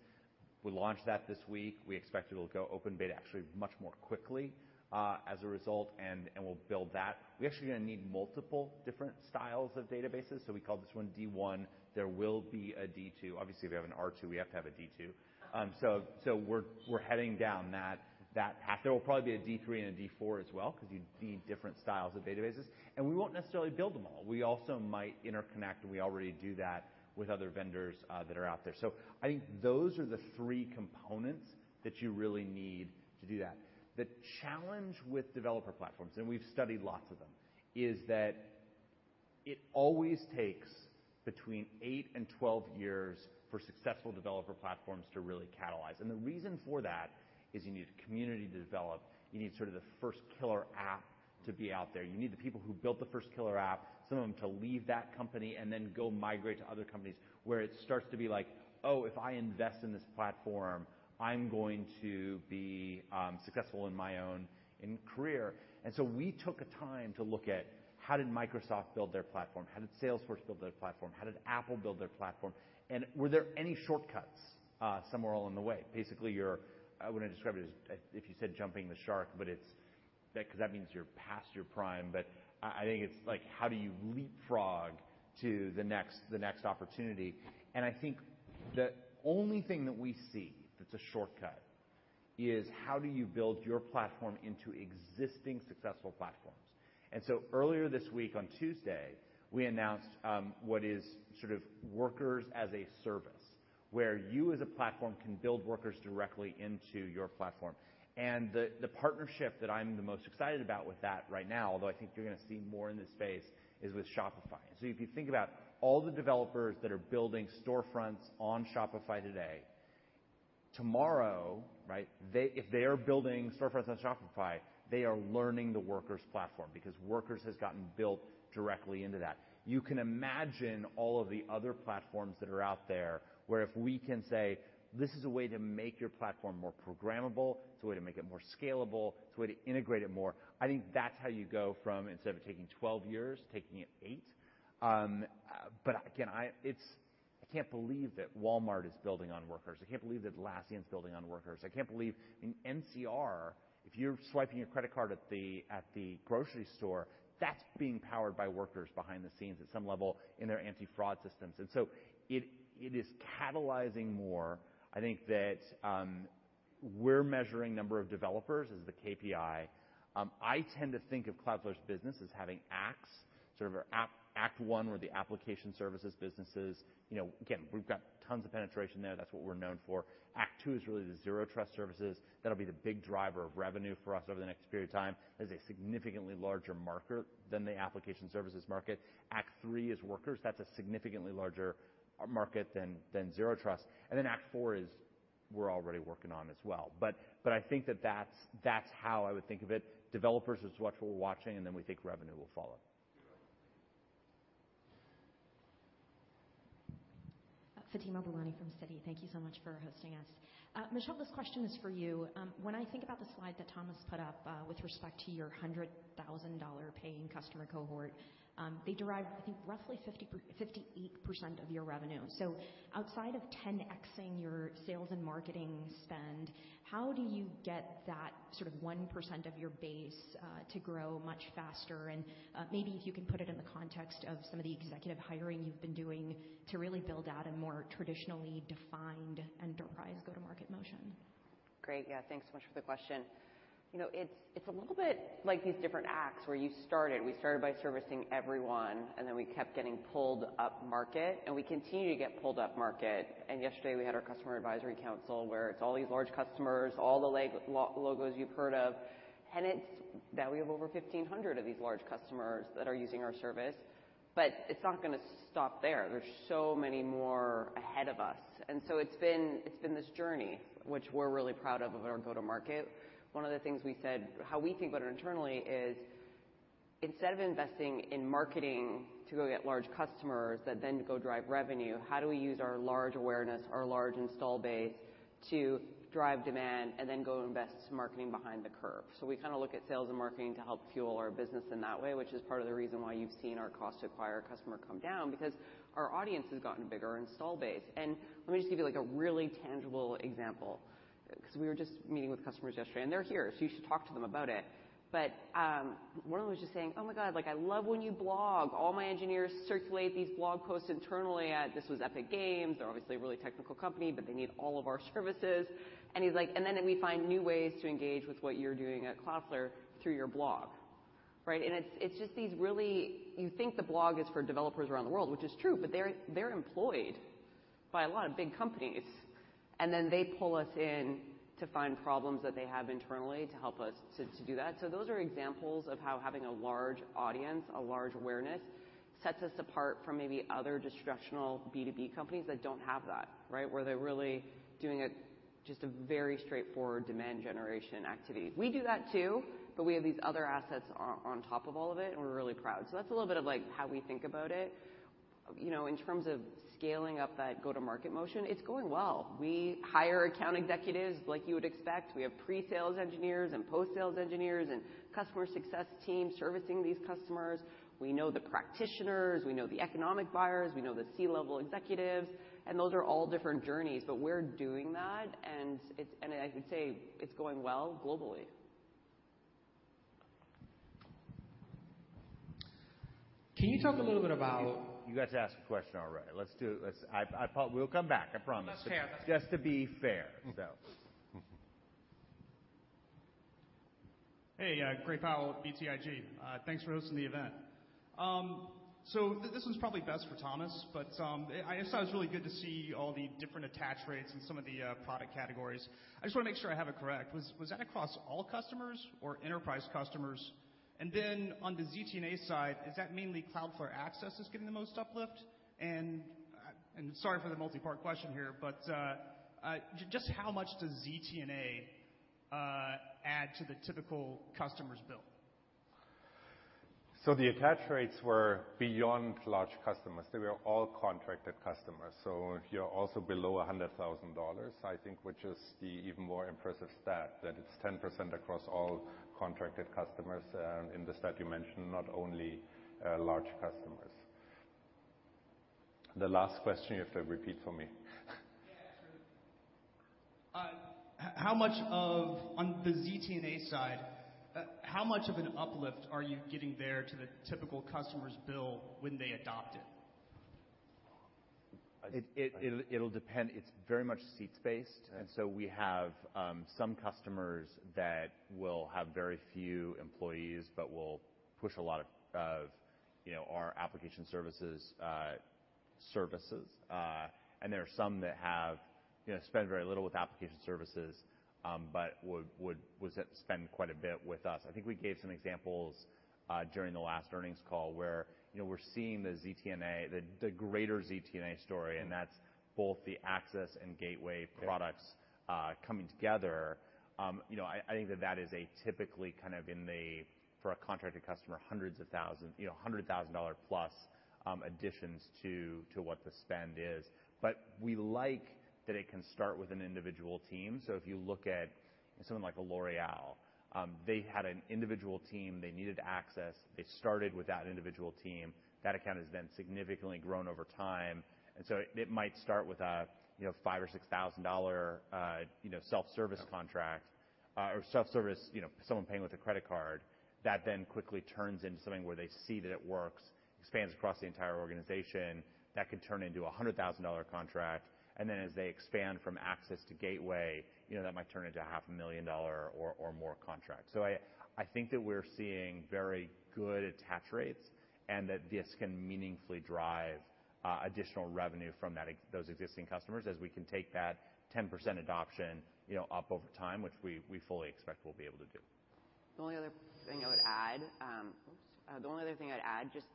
We launched that this week. We expect it'll go open beta actually much more quickly as a result, and we'll build that. We actually are gonna need multiple different styles of databases, so we call this one D1. There will be a D2. Obviously, if we have an R2, we have to have a D2. So we're heading down that path. There will probably be a D3 and a D4 as well 'cause you need different styles of databases, and we won't necessarily build them all. We also might interconnect, and we already do that with other vendors that are out there. I think those are the three components that you really need to do that. The challenge with developer platforms, and we've studied lots of them, is that it always takes between eight and 12 years for successful developer platforms to really catalyze. The reason for that is you need a community to develop. You need sort of the first killer app to be out there. You need the people who built the first killer app, some of them to leave that company and then go migrate to other companies where it starts to be like, "Oh, if I invest in this platform, I'm going to be successful in my own career." We took the time to look at how did Microsoft build their platform? How did Salesforce build their platform? How did Apple build their platform? And were there any shortcuts somewhere along the way? Basically, I wouldn't describe it as if you said jumping the shark, but it's that 'cause that means you're past your prime. I think it's like how do you leapfrog to the next opportunity? I think the only thing that we see that's a shortcut is how do you build your platform into existing successful platforms. Earlier this week on Tuesday, we announced what is sort of Workers as a service, where you as a platform can build Workers directly into your platform. The partnership that I'm the most excited about with that right now, although I think you're gonna see more in this space, is with Shopify. If you think about all the developers that are building storefronts on Shopify today, tomorrow, right? If they are building storefronts on Shopify, they are learning the Workers platform because Workers has gotten built directly into that. You can imagine all of the other platforms that are out there, where if we can say, "This is a way to make your platform more programmable. It's a way to make it more scalable. It's a way to integrate it more." I think that's how you go from instead of taking twelve years, taking it eight. But again, I can't believe that Walmart is building on Workers. I can't believe that Atlassian's building on Workers. I can't believe. In NCR, if you're swiping your credit card at the grocery store, that's being powered by Workers behind the scenes at some level in their anti-fraud systems. It is catalyzing more. I think that we're measuring number of developers as the KPI. I tend to think of Cloudflare's business as having acts, sort of our app act one where the application services business is. You know, again, we've got tons of penetration there. That's what we're known for. Act two is really the Zero Trust services. That'll be the big driver of revenue for us over the next period of time. That is a significantly larger market than the application services market. Act three is Workers. That's a significantly larger market than Zero Trust. Act four is we're already working on as well. I think that's how I would think of it. Developers is what we're watching, and then we think revenue will follow. Fatima Boolani from Citi. Thank you so much for hosting us. Michelle, this question is for you. When I think about the slide that Thomas put up, with respect to your $100,000 paying customer cohort, they derive, I think, roughly 50%-58% of your revenue. Outside of 10x-ing your sales and marketing spend, how do you get that sort of 1% of your base to grow much faster? Maybe if you can put it in the context of some of the executive hiring you've been doing to really build out a more traditionally defined enterprise go-to-market motion. Great. Yeah, thanks so much for the question. You know, it's a little bit like these different acts where you started. We started by servicing everyone, and then we kept getting pulled up market, and we continue to get pulled up market. Yesterday we had our customer advisory council where it's all these large customers, all the logos you've heard of. It's that we have over 1,500 of these large customers that are using our service. It's not gonna stop there. There's so many more ahead of us, and so it's been this journey which we're really proud of our go-to-market. One of the things we said how we think about it internally is instead of investing in marketing to go get large customers that then go drive revenue, how do we use our large awareness, our large install base to drive demand and then go invest marketing behind the curve? We kinda look at sales and marketing to help fuel our business in that way, which is part of the reason why you've seen our cost to acquire a customer come down because our audience has gotten bigger install base. Let me just give you like a really tangible example, 'cause we were just meeting with customers yesterday and they're here, so you should talk to them about it. One of them was just saying, "Oh my God, like I love when you blog. All my engineers circulate these blog posts internally at this. This was Epic Games. They're obviously a really technical company, but they need all of our services. He is like, "And then we find new ways to engage with what you're doing at Cloudflare through your blog." Right? It's just these really. You think the blog is for developers around the world, which is true, but they're employed by a lot of big companies, and then they pull us in to find problems that they have internally to help us to do that. Those are examples of how having a large audience, a large awareness, sets us apart from maybe other discretionary B2B companies that don't have that, right? Where they're really doing just a very straightforward demand generation activity. We do that too, but we have these other assets on top of all of it and we're really proud. That's a little bit of like how we think about it. You know, in terms of scaling up that go-to-market motion, it's going well. We hire account executives like you would expect. We have pre-sales engineers and post-sales engineers and customer success team servicing these customers. We know the practitioners, we know the economic buyers, we know the C-level executives, and those are all different journeys. We're doing that and it's going well globally. I can say it's going well globally. Can you talk a little bit about? You guys asked a question already. We'll come back, I promise. That's fair. Just to be fair. Hey, Gray Powell with BTIG. Thanks for hosting the event. So this one's probably best for Thomas, but I just thought it was really good to see all the different attach rates in some of the product categories. I just wanna make sure I have it correct. Was that across all customers or enterprise customers? And then on the ZTNA side, is that mainly Cloudflare Access is getting the most uplift? And sorry for the multi-part question here, but just how much does ZTNA add to the typical customer's bill? The attach rates were beyond large customers. They were all contracted customers. If you're also below $100,000, I think, which is the even more impressive stat, that it's 10% across all contracted customers, in the study you mentioned, not only large customers. The last question you have to repeat for me. Yeah, sure. On the ZTNA side, how much of an uplift are you getting there to the typical customer's bill when they adopt it? I think. It'll depend. It's very much seats-based. Yeah. We have some customers that will have very few employees, but will push a lot of you know our application services. There are some that have, you know, spend very little with application services, but would spend quite a bit with us. I think we gave some examples during the last earnings call where, you know, we're seeing the ZTNA, the greater ZTNA story, and that's both the Access and Gateway products. Yeah. Coming together. You know, I think that is typically for a contracted customer, hundreds of thousands, you know, $100,000+ additions to what the spend is. But we like that it can start with an individual team. So if you look at someone like L'Oréal, they had an individual team they needed access. They started with that individual team. That account has then significantly grown over time. It might start with a, you know, $5,000 or $6,000 self-service contract. Yeah. self-service, you know, someone paying with a credit card that then quickly turns into something where they see that it works, expands across the entire organization. That could turn into a $100,000 contract. Then as they expand from Access to Gateway, you know, that might turn into a half a million dollar or more contract. I think that we're seeing very good attach rates and that this can meaningfully drive additional revenue from those existing customers as we can take that 10% adoption, you know, up over time, which we fully expect we'll be able to do. The only other thing I'd add, just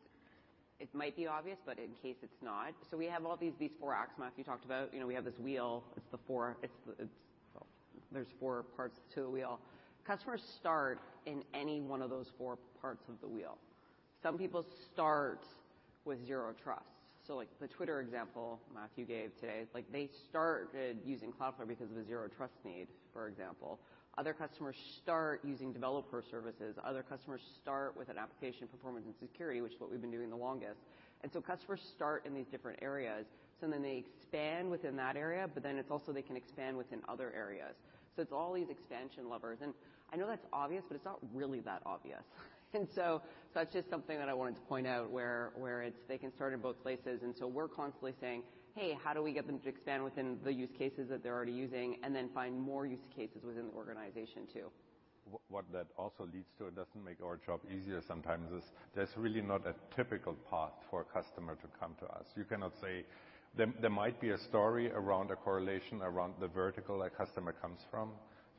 it might be obvious, but in case it's not. We have all these four axis maps you talked about. You know, we have this wheel, it's the four. There's four parts to a wheel. Customers start in any one of those four parts of the wheel. Some people start with zero trust. Like the Twitter example Matthew gave today, like they started using Cloudflare because of a zero trust need, for example. Other customers start using developer services. Other customers start with an application performance and security, which is what we've been doing the longest. Customers start in these different areas. They expand within that area, but then it's also they can expand within other areas. It's all these expansion levers. I know that's obvious, but it's not really that obvious. That's just something that I wanted to point out where it's they can start in both places. We're constantly saying, "Hey, how do we get them to expand within the use cases that they're already using, and then find more use cases within the organization too? What that also leads to, it doesn't make our job easier sometimes, is there's really not a typical path for a customer to come to us. You cannot say there might be a story around a correlation around the vertical a customer comes from.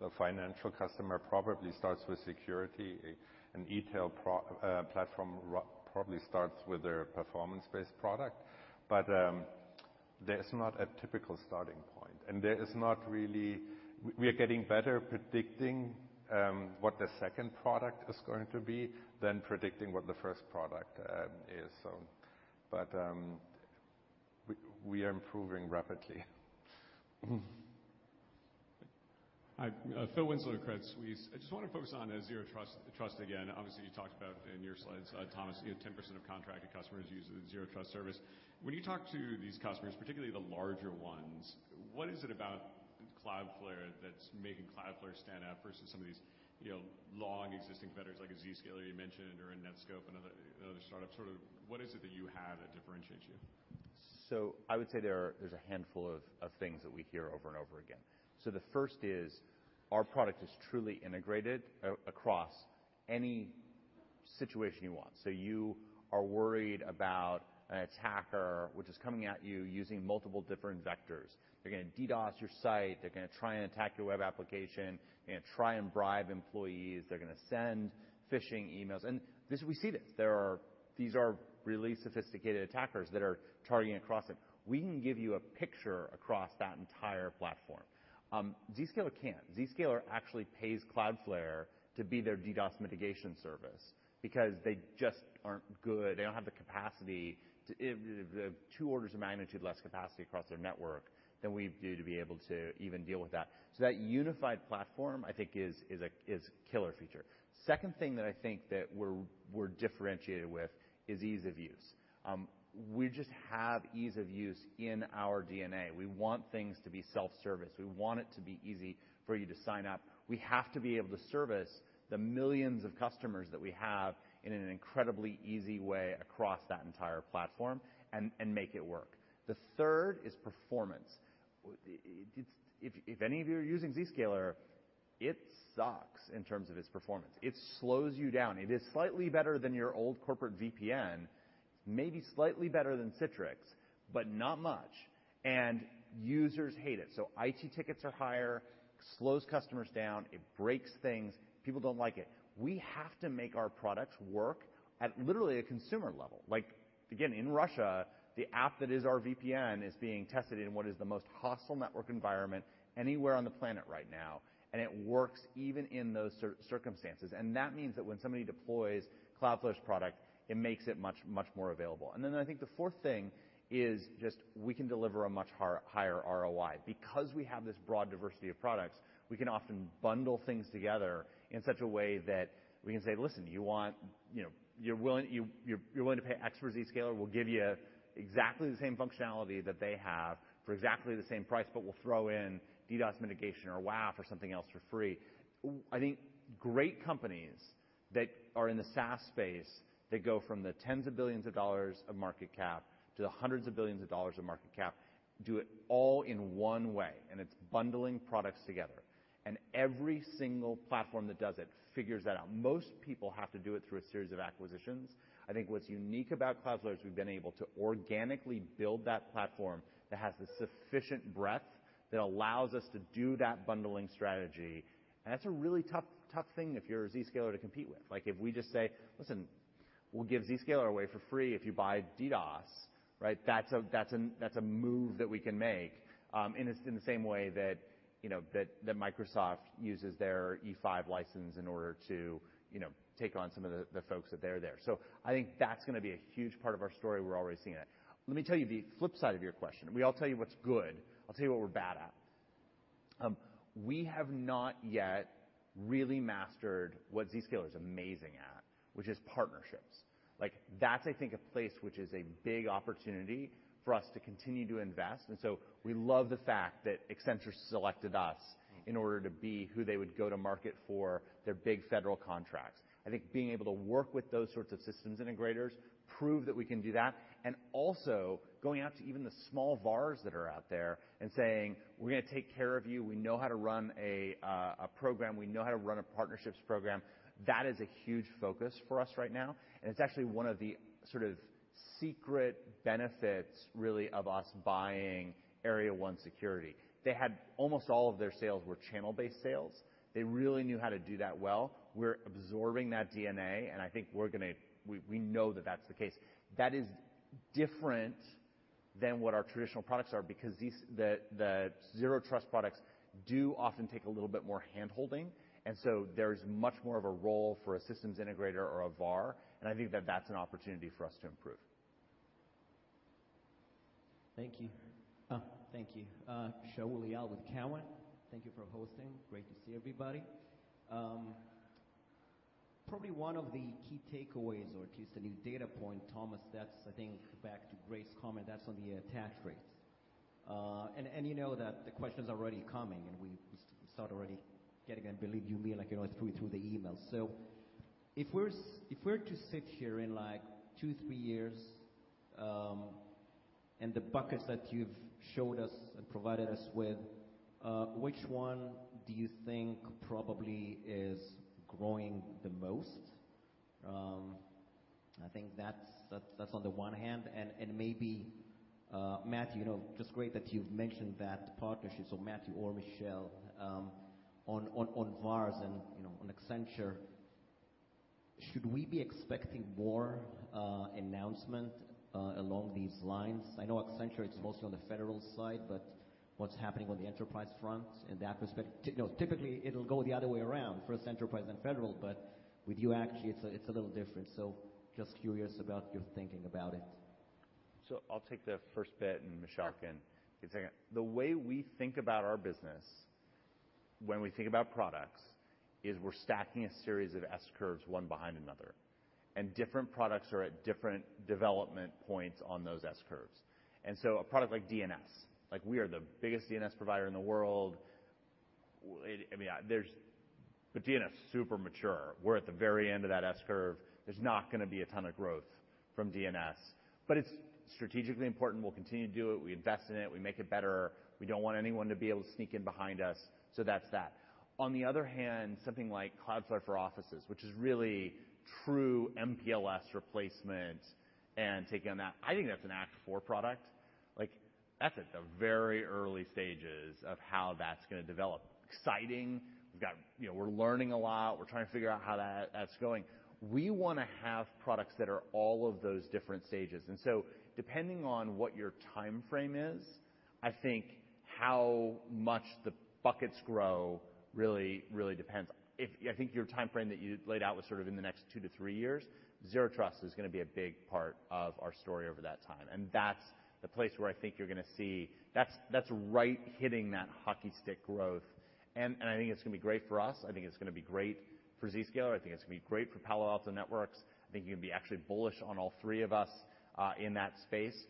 The financial customer probably starts with security. An e-tail platform probably starts with a performance-based product. There is not a typical starting point, and there is not really. We are getting better at predicting what the second product is going to be than predicting what the first product is so. We are improving rapidly. Hi. Phil Winslow at Credit Suisse. I just wanna focus on zero trust again. Obviously, you talked about in your slides, Thomas, you know, 10% of contracted customers use the zero trust service. When you talk to these customers, particularly the larger ones, what is it about Cloudflare that's making Cloudflare stand out versus some of these, you know, long existing vendors like Zscaler you mentioned or Netskope, another startup? Sort of what is it that you have that differentiates you? I would say there's a handful of things that we hear over and over again. The first is our product is truly integrated across any situation you want. You are worried about an attacker which is coming at you using multiple different vectors. They're gonna DDoS your site. They're gonna try and attack your web application and try and bribe employees. They're gonna send phishing emails. This, we see this. These are really sophisticated attackers that are targeting across it. We can give you a picture across that entire platform. Zscaler can't. Zscaler actually pays Cloudflare to be their DDoS mitigation service because they just aren't good. They don't have the capacity to. They have two orders of magnitude less capacity across their network than we do to be able to even deal with that. That unified platform I think is a killer feature. Second thing that I think that we're differentiated with is ease of use. We just have ease of use in our DNA. We want things to be self-service. We want it to be easy for you to sign up. We have to be able to service the millions of customers that we have in an incredibly easy way across that entire platform and make it work. The third is performance. If any of you are using Zscaler, it sucks in terms of its performance. It slows you down. It is slightly better than your old corporate VPN, maybe slightly better than Citrix, but not much. Users hate it. IT tickets are higher. It slows customers down. It breaks things. People don't like it. We have to make our products work at literally a consumer level. Like, again, in Russia, the app that is our VPN is being tested in what is the most hostile network environment anywhere on the planet right now. It works even in those circumstances. That means that when somebody deploys Cloudflare's product, it makes it much, much more available. Then I think the fourth thing is just we can deliver a much higher ROI. Because we have this broad diversity of products, we can often bundle things together in such a way that we can say, "Listen, you want... You know, you're willing to pay X for Zscaler. We'll give you exactly the same functionality that they have for exactly the same price, but we'll throw in DDoS mitigation or WAF or something else for free. I think great companies that are in the SaaS space that go from the tens of billions of dollars of market cap to the hundreds of billions of dollars of market cap do it all in one way, and it's bundling products together. Every single platform that does it figures that out. Most people have to do it through a series of acquisitions. I think what's unique about Cloudflare is we've been able to organically build that platform that has the sufficient breadth that allows us to do that bundling strategy. That's a really tough thing if you're Zscaler to compete with. Like if we just say, "Listen, we'll give Zscaler away for free if you buy DDoS," right? That's a move that we can make in the same way that you know that Microsoft uses their E5 license in order to you know take on some of the folks that are there. I think that's gonna be a huge part of our story. We're already seeing it. Let me tell you the flip side of your question. We'll tell you what's good. I'll tell you what we're bad at. We have not yet really mastered what Zscaler is amazing at, which is partnerships. Like, that's I think a place which is a big opportunity for us to continue to invest. We love the fact that Accenture selected us. Mm-hmm. In order to be who they would go to market for their big federal contracts. I think being able to work with those sorts of systems integrators prove that we can do that, and also going out to even the small VARs that are out there and saying, "We're gonna take care of you. We know how to run a program. We know how to run a partnerships program." That is a huge focus for us right now, and it's actually one of the sort of secret benefits really of us buying Area 1 Security. They had almost all of their sales were channel-based sales. They really knew how to do that well. We're absorbing that DNA, and I think we're gonna. We know that that's the case. That is different than what our traditional products are because these Zero Trust products do often take a little bit more handholding, and so there's much more of a role for a systems integrator or a VAR, and I think that that's an opportunity for us to improve. Thank you. Shaul Eyal with Cowen. Thank you for hosting. Great to see everybody. Probably one of the key takeaways or at least a new data point, Thomas, that's I think back to Gray's comment, that's on the attach rates. You know that the question's already coming, and we start already getting, I believe you mean, like, you know, it's through the emails. So if we're to sit here in like two, three years, and the buckets that you've showed us and provided us with, which one do you think probably is growing the most? I think that's on the one hand. Maybe, Matthew, you know, just great that you've mentioned that partnership. Matthew or Michelle, on VARs and, you know, on Accenture, should we be expecting more announcement along these lines? I know Accenture, it's mostly on the federal side, but what's happening on the enterprise front in that respect? You know, typically it'll go the other way around, first enterprise then federal, but with you actually it's a little different. Just curious about your thinking about it. I'll take the first bit and Michelle can take it. The way we think about our business when we think about products is we're stacking a series of S-curves one behind another, and different products are at different development points on those S-curves. A product like DNS, like we are the biggest DNS provider in the world. DNS, super mature. We're at the very end of that S-curve. There's not gonna be a ton of growth from DNS, but it's strategically important. We'll continue to do it. We invest in it. We make it better. We don't want anyone to be able to sneak in behind us, so that's that. On the other hand, something like Cloudflare for Offices, which is a true MPLS replacement and taking on that, I think that's an act four product. Like, that's at the very early stages of how that's gonna develop. Exciting. We've got. You know, we're learning a lot. We're trying to figure out how that's going. We wanna have products that are all of those different stages. Depending on what your timeframe is, I think how much the buckets grow really, really depends. If I think your timeframe that you laid out was sort of in the next two-three years, Zero Trust is gonna be a big part of our story over that time, and that's the place where I think you're gonna see. That's right hitting that hockey stick growth. I think it's gonna be great for us. I think it's gonna be great for Zscaler. I think it's gonna be great for Palo Alto Networks. I think you're gonna be actually bullish on all three of us, in that space.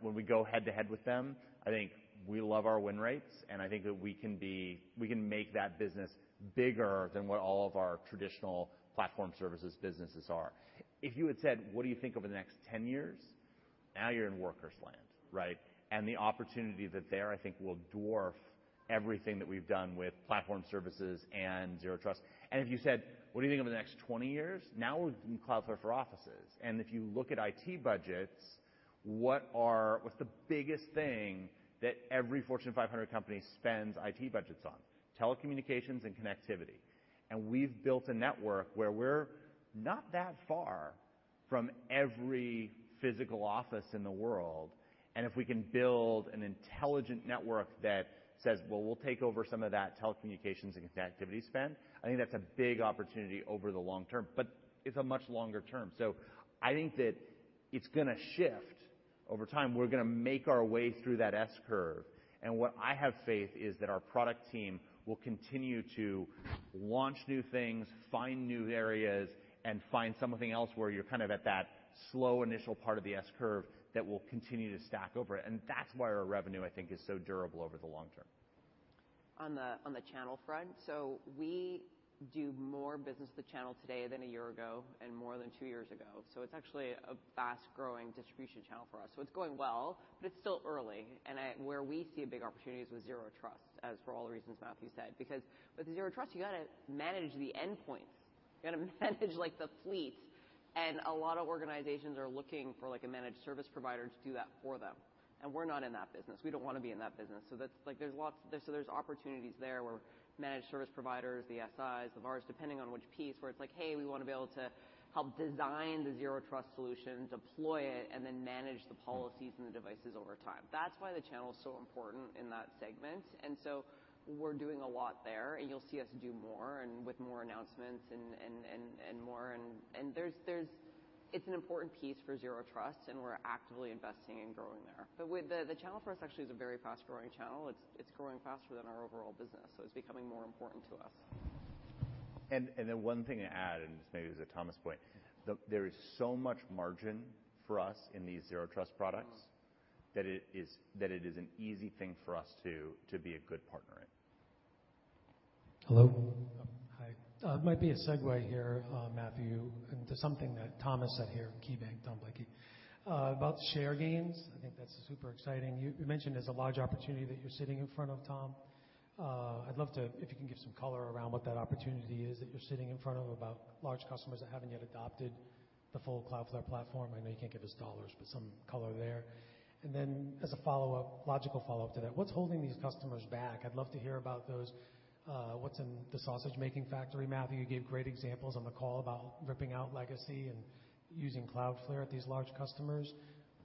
When we go head-to-head with them, I think we love our win rates, and I think that we can make that business bigger than what all of our traditional platform services businesses are. If you had said, "What do you think over the next 10 years?" Now you're in Workers land, right? The opportunity that's there I think will dwarf everything that we've done with platform services and Zero Trust. If you said, "What do you think over the next 20 years?" Now we're doing Cloudflare for Offices. If you look at IT budgets, what's the biggest thing that every Fortune 500 company spends IT budgets on? Telecommunications and connectivity. We've built a network where we're not that far from every physical office in the world. If we can build an intelligent network that says, "Well, we'll take over some of that telecommunications and connectivity spend," I think that's a big opportunity over the long term, but it's a much longer term. I think that it's gonna shift over time. We're gonna make our way through that S-curve. What I have faith is that our product team will continue to launch new things, find new areas, and find something else where you're kind of at that slow initial part of the S-curve that will continue to stack over it. That's why our revenue, I think, is so durable over the long term. On the channel front, we do more business with the channel today than a year ago and more than two years ago. It's actually a fast-growing distribution channel for us. It's going well, but it's still early. Where we see a big opportunity is with Zero Trust, as for all the reasons Matthew said, because with Zero Trust, you gotta manage the endpoints. You gotta manage like the fleet. A lot of organizations are looking for like a managed service provider to do that for them, and we're not in that business. We don't wanna be in that business. That's opportunities there where managed service providers, the SIs, the VARs, depending on which piece, where it's like, "Hey, we wanna be able to help design the Zero Trust solution, deploy it, and then manage the policies and the devices over time." That's why the channel is so important in that segment. We're doing a lot there, and you'll see us do more and with more announcements and more. It's an important piece for Zero Trust, and we're actively investing in growing there. The channel for us actually is a very fast-growing channel. It's growing faster than our overall business, so it's becoming more important to us. One thing to add, and this maybe is a Thomas point. There is so much margin for us in these Zero Trust products. Mm-hmm. that it is an easy thing for us to be a good partner in. Hello? Hi. It might be a segue here, Matthew, to something that Thomas said here, KeyBanc, Tom Blakey. About share gains, I think that's super exciting. You mentioned there's a large opportunity that you're sitting in front of, Tom. I'd love to if you can give some color around what that opportunity is that you're sitting in front of about large customers that haven't yet adopted the full Cloudflare platform. I know you can't give us dollars, but some color there. As a follow-up, logical follow-up to that, what's holding these customers back? I'd love to hear about those, what's in the sausage-making factory, Matthew. You gave great examples on the call about ripping out legacy and Using Cloudflare at these large customers,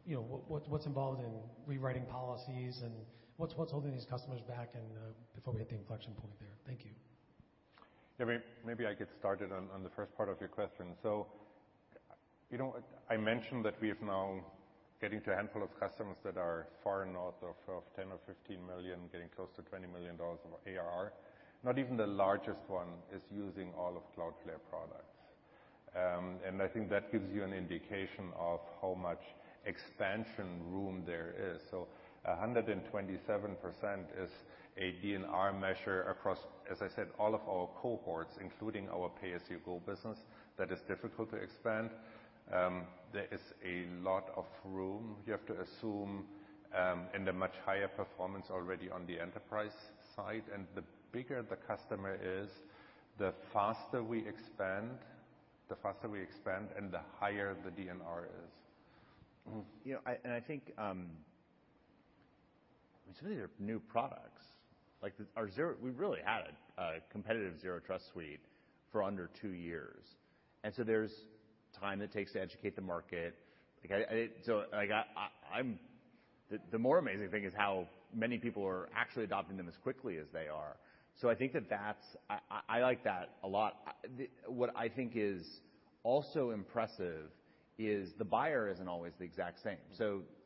you know, what's involved in rewriting policies and what's holding these customers back and before we hit the inflection point there? Thank you. Maybe I get started on the first part of your question. You know, I mentioned that we have now getting to a handful of customers that are far north of $10 or $15 million, getting close to $20 million of ARR. Not even the largest one is using all of Cloudflare products. I think that gives you an indication of how much expansion room there is. 127% is a DNR measure across, as I said, all of our cohorts, including our pay-as-you-go business that is difficult to expand. There is a lot of room you have to assume in the much higher performance already on the enterprise side. The bigger the customer is, the faster we expand and the higher the DNR is. You know, I think these really are new products. Like, we really had a competitive Zero Trust suite for under two years. There's time that takes to educate the market. Like, the more amazing thing is how many people are actually adopting them as quickly as they are. I think that I like that a lot. What I think is also impressive is the buyer isn't always the exact same.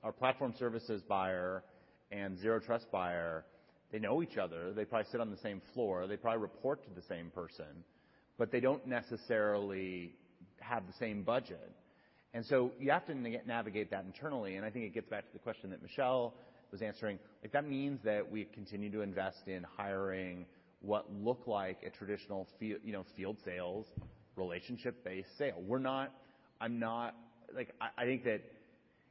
Our platform services buyer and Zero Trust buyer, they know each other. They probably sit on the same floor. They probably report to the same person, but they don't necessarily have the same budget. You have to navigate that internally, and I think it gets back to the question that Michelle was answering. Like, that means that we continue to invest in hiring what look like a traditional field sales, relationship-based sale. I think that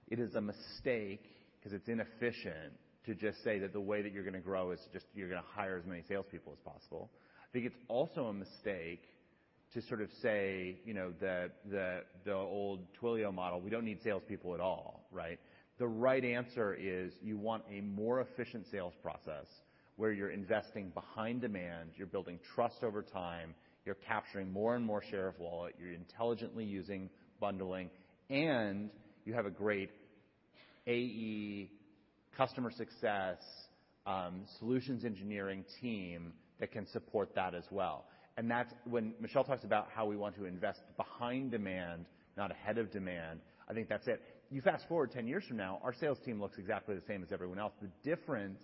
it is a mistake 'cause it's inefficient to just say that the way that you're gonna grow is just you're gonna hire as many salespeople as possible. I think it's also a mistake to sort of say, you know, the old Twilio model, we don't need salespeople at all, right? The right answer is you want a more efficient sales process where you're investing behind demand, you're building trust over time, you're capturing more and more share of wallet, you're intelligently using bundling, and you have a great AE customer success, solutions engineering team that can support that as well. When Michelle talks about how we want to invest behind demand, not ahead of demand, I think that's it. You fast-forward 10 years from now, our sales team looks exactly the same as everyone else. The difference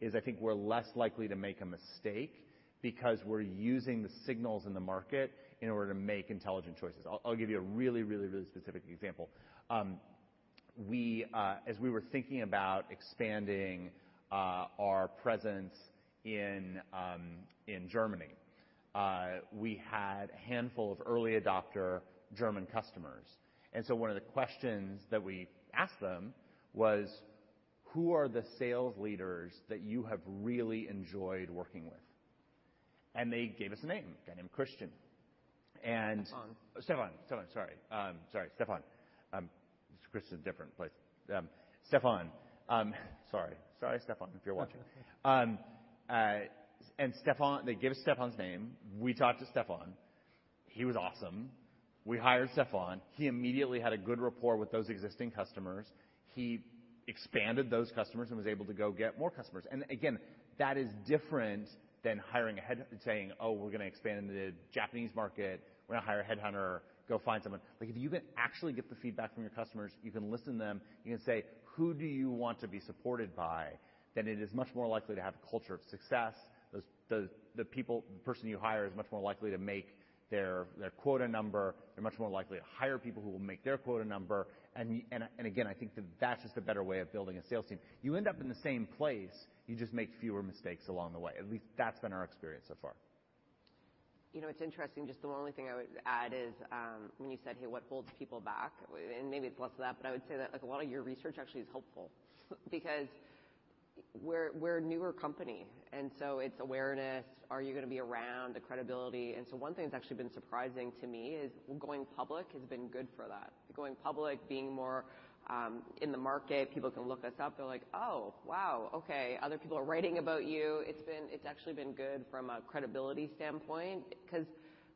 is, I think, we're less likely to make a mistake because we're using the signals in the market in order to make intelligent choices. I'll give you a really, really, really specific example. As we were thinking about expanding our presence in Germany, we had a handful of early adopter German customers. One of the questions that we asked them was, "Who are the sales leaders that you have really enjoyed working with?" They gave us a name, a guy named Christian. Stefan. Stefan, sorry. Christian's a different place. Sorry, Stefan, if you're watching. Stefan, they give Stefan's name. We talked to Stefan. He was awesome. We hired Stefan. He immediately had a good rapport with those existing customers. He expanded those customers and was able to go get more customers. Again, that is different than hiring a head, saying, "Oh, we're gonna expand into the Japanese market. We're gonna hire a headhunter. Go find someone." Like, if you can actually get the feedback from your customers, you can listen to them, you can say, "Who do you want to be supported by?" It is much more likely to have a culture of success. The person you hire is much more likely to make their quota number. They're much more likely to hire people who will make their quota number. Again, I think that's just a better way of building a sales team. You end up in the same place, you just make fewer mistakes along the way. At least that's been our experience so far. You know, it's interesting. Just the only thing I would add is, when you said, "Hey, what holds people back?" Maybe it's less of that, but I would say that like a lot of your research actually is helpful because we're a newer company, and so it's awareness. Are you gonna be around? The credibility. One thing that's actually been surprising to me is going public has been good for that. Going public, being more in the market. People can look us up. They're like, "Oh, wow, okay. Other people are writing about you." It's actually been good from a credibility standpoint 'cause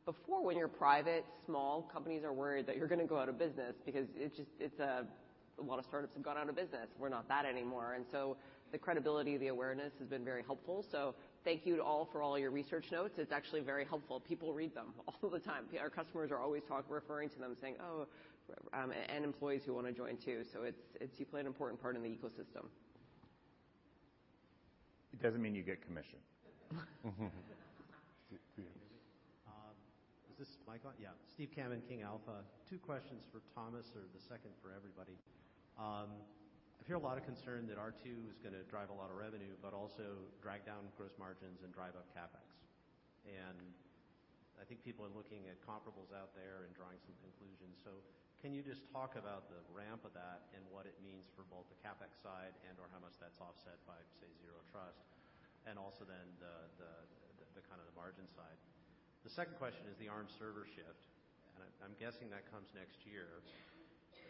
before, when you're private, small companies are worried that you're gonna go out of business because it just, it's a lot of startups have gone out of business. We're not that anymore. The credibility, the awareness has been very helpful. Thank you to all for all your research notes. It's actually very helpful. People read them all the time. Our customers are always referring to them, saying, "Oh," and employees who wanna join too. It's you play an important part in the ecosystem. It doesn't mean you get commission. Yes. Is this mic on? Yeah. Steve Cavan, Kingdon Capital. Two questions for Thomas or the second for everybody. I hear a lot of concern that R2 is gonna drive a lot of revenue, but also drag down gross margins and drive up CapEx. I think people are looking at comparables out there and drawing some conclusions. Can you just talk about the ramp of that and what it means for both the CapEx side and or how much that's offset by, say, Zero Trust, and also then the, the kind of the margin side? The second question is the ARM server shift, and I'm guessing that comes next year.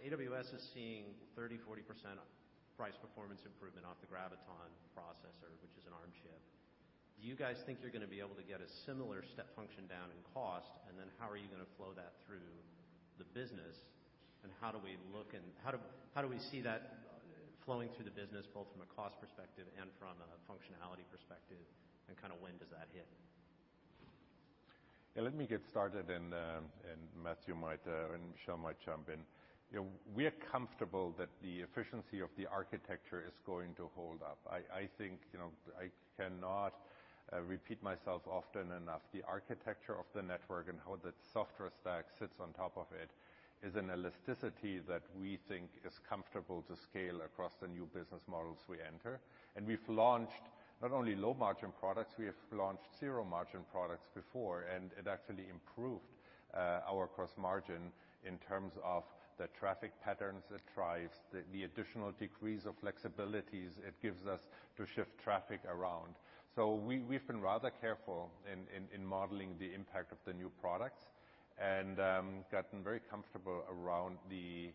AWS is seeing 30%-40% price performance improvement off the Graviton processor, which is an ARM chip. Do you guys think you're gonna be able to get a similar step function down in cost? How are you gonna flow that through the business? How do we see that flowing through the business, both from a cost perspective and from a functionality perspective? Kinda when does that hit? Yeah, let me get started, and Matthew might and Michelle might jump in. You know, we are comfortable that the efficiency of the architecture is going to hold up. I think, you know, I cannot repeat myself often enough. The architecture of the network and how the software stack sits on top of it is an elasticity that we think is comfortable to scale across the new business models we enter. We've launched not only low margin products, we have launched zero margin products before, and it actually improved our gross margin in terms of the traffic patterns it drives, the additional degrees of flexibilities it gives us to shift traffic around. We've been rather careful in modeling the impact of the new products and gotten very comfortable around the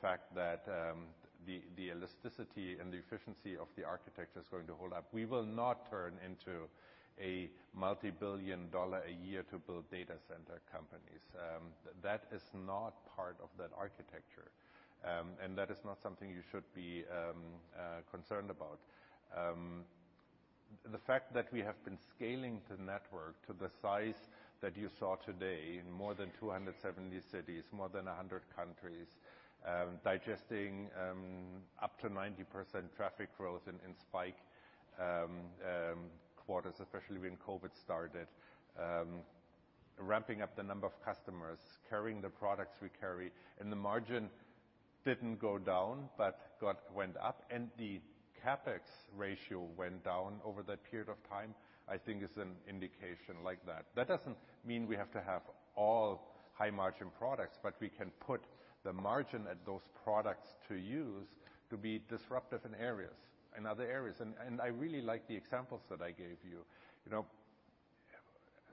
fact that the elasticity and the efficiency of the architecture is going to hold up. We will not turn into a multi-billion-dollar-a-year-to-build data center companies. That is not part of that architecture. That is not something you should be concerned about. The fact that we have been scaling the network to the size that you saw today in more than 270 cities, more than 100 countries, digesting up to 90% traffic growth in spike quarters, especially when COVID started ramping up the number of customers, carrying the products we carry, and the margin didn't go down but went up, and the CapEx ratio went down over that period of time, I think is an indication like that. That doesn't mean we have to have all high margin products, but we can put the margin at those products to use to be disruptive in areas, in other areas. I really like the examples that I gave you. You know,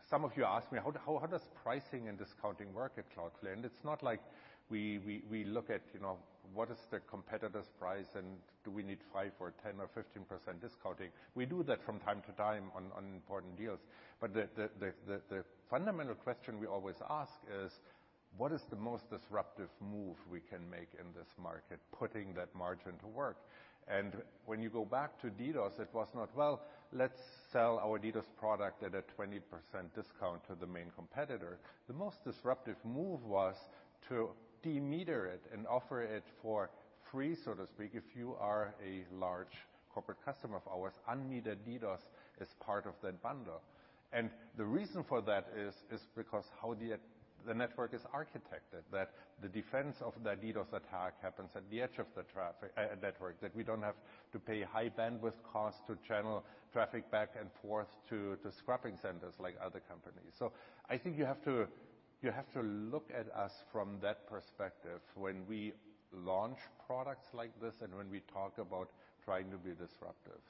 some of you asked me how does pricing and discounting work at Cloudflare? It's not like we look at, you know, what is the competitor's price and do we need 5% or 10% or 15% discounting. We do that from time to time on important deals. The fundamental question we always ask is what is the most disruptive move we can make in this market, putting that margin to work? When you go back to DDoS, it was not, "Well, let's sell our DDoS product at a 20% discount to the main competitor." The most disruptive move was to unmeter it and offer it for free, so to speak, if you are a large corporate customer of ours, unmetered DDoS is part of that bundle. The reason for that is because how the network is architected, that the defense of that DDoS attack happens at the edge of the traffic network, that we don't have to pay high bandwidth costs to channel traffic back and forth to scrubbing centers like other companies. I think you have to look at us from that perspective when we launch products like this and when we talk about trying to be disruptive.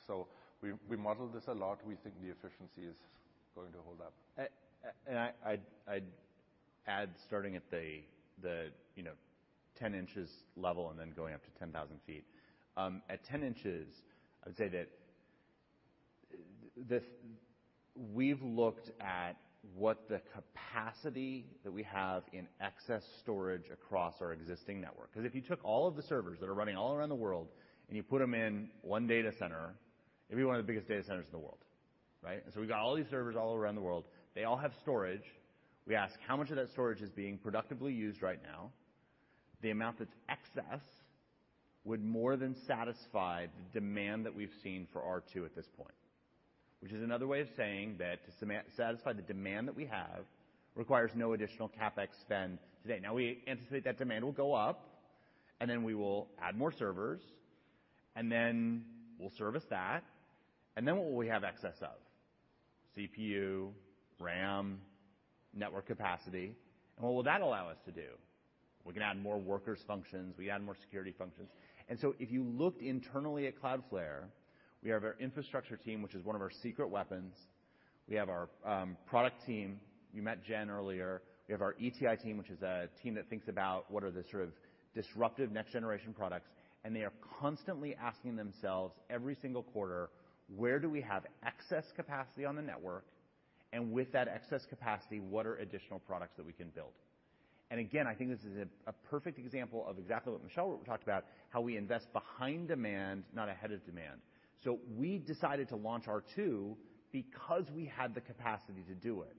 We model this a lot. We think the efficiency is going to hold up. I'd add starting at the you know, 10 inches level and then going up to 10,000 feet. At 10 inches, I would say that this. We've looked at what the capacity that we have in excess storage across our existing network, 'cause if you took all of the servers that are running all around the world and you put them in one data center, it'd be one of the biggest data centers in the world, right? We've got all these servers all around the world. They all have storage. We ask how much of that storage is being productively used right now. The amount that's excess would more than satisfy the demand that we've seen for R2 at this point. Which is another way of saying that to satisfy the demand that we have requires no additional CapEx spend today. Now, we anticipate that demand will go up, and then we will add more servers, and then we'll service that. What will we have excess of? CPU, RAM, network capacity. What will that allow us to do? We can add more Workers functions. We add more security functions. If you looked internally at Cloudflare, we have our infrastructure team, which is one of our secret weapons. We have our product team. You met Jen earlier. We have our ETI team, which is a team that thinks about what are the sort of disruptive next generation products, and they are constantly asking themselves every single quarter, "Where do we have excess capacity on the network? With that excess capacity, what are additional products that we can build? Again, I think this is a perfect example of exactly what Michelle talked about, how we invest behind demand, not ahead of demand. We decided to launch R2 because we had the capacity to do it.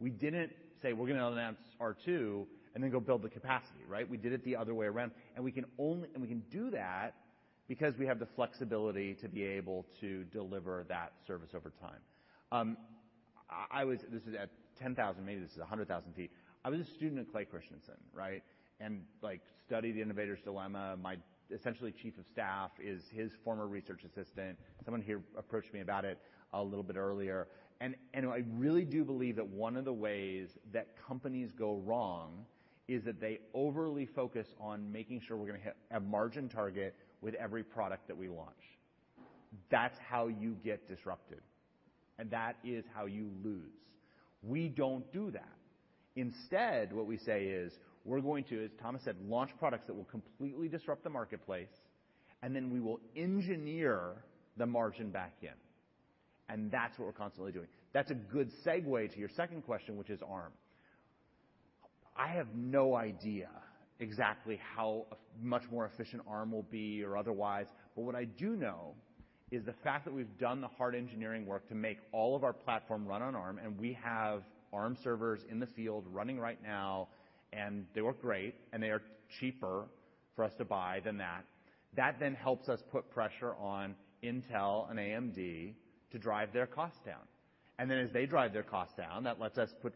We didn't say, "We're gonna announce R2," and then go build the capacity, right? We did it the other way around. We can do that because we have the flexibility to be able to deliver that service over time. This is at 10,000, maybe this is at 100,000 feet. I was a student of Clayton Christensen, right? Like studied The Innovator's Dilemma. My essentially chief of staff is his former research assistant. Someone here approached me about it a little bit earlier. I really do believe that one of the ways that companies go wrong is that they overly focus on making sure we're gonna hit a margin target with every product that we launch. That's how you get disrupted, and that is how you lose. We don't do that. Instead, what we say is, we're going to, as Thomas said, launch products that will completely disrupt the marketplace, and then we will engineer the margin back in, and that's what we're constantly doing. That's a good segue to your second question, which is ARM. I have no idea exactly how much more efficient ARM will be or otherwise, but what I do know is the fact that we've done the hard engineering work to make all of our platform run on ARM, and we have ARM servers in the field running right now, and they work great, and they are cheaper for us to buy than that. That then helps us put pressure on Intel and AMD to drive their costs down. As they drive their costs down, that lets us put.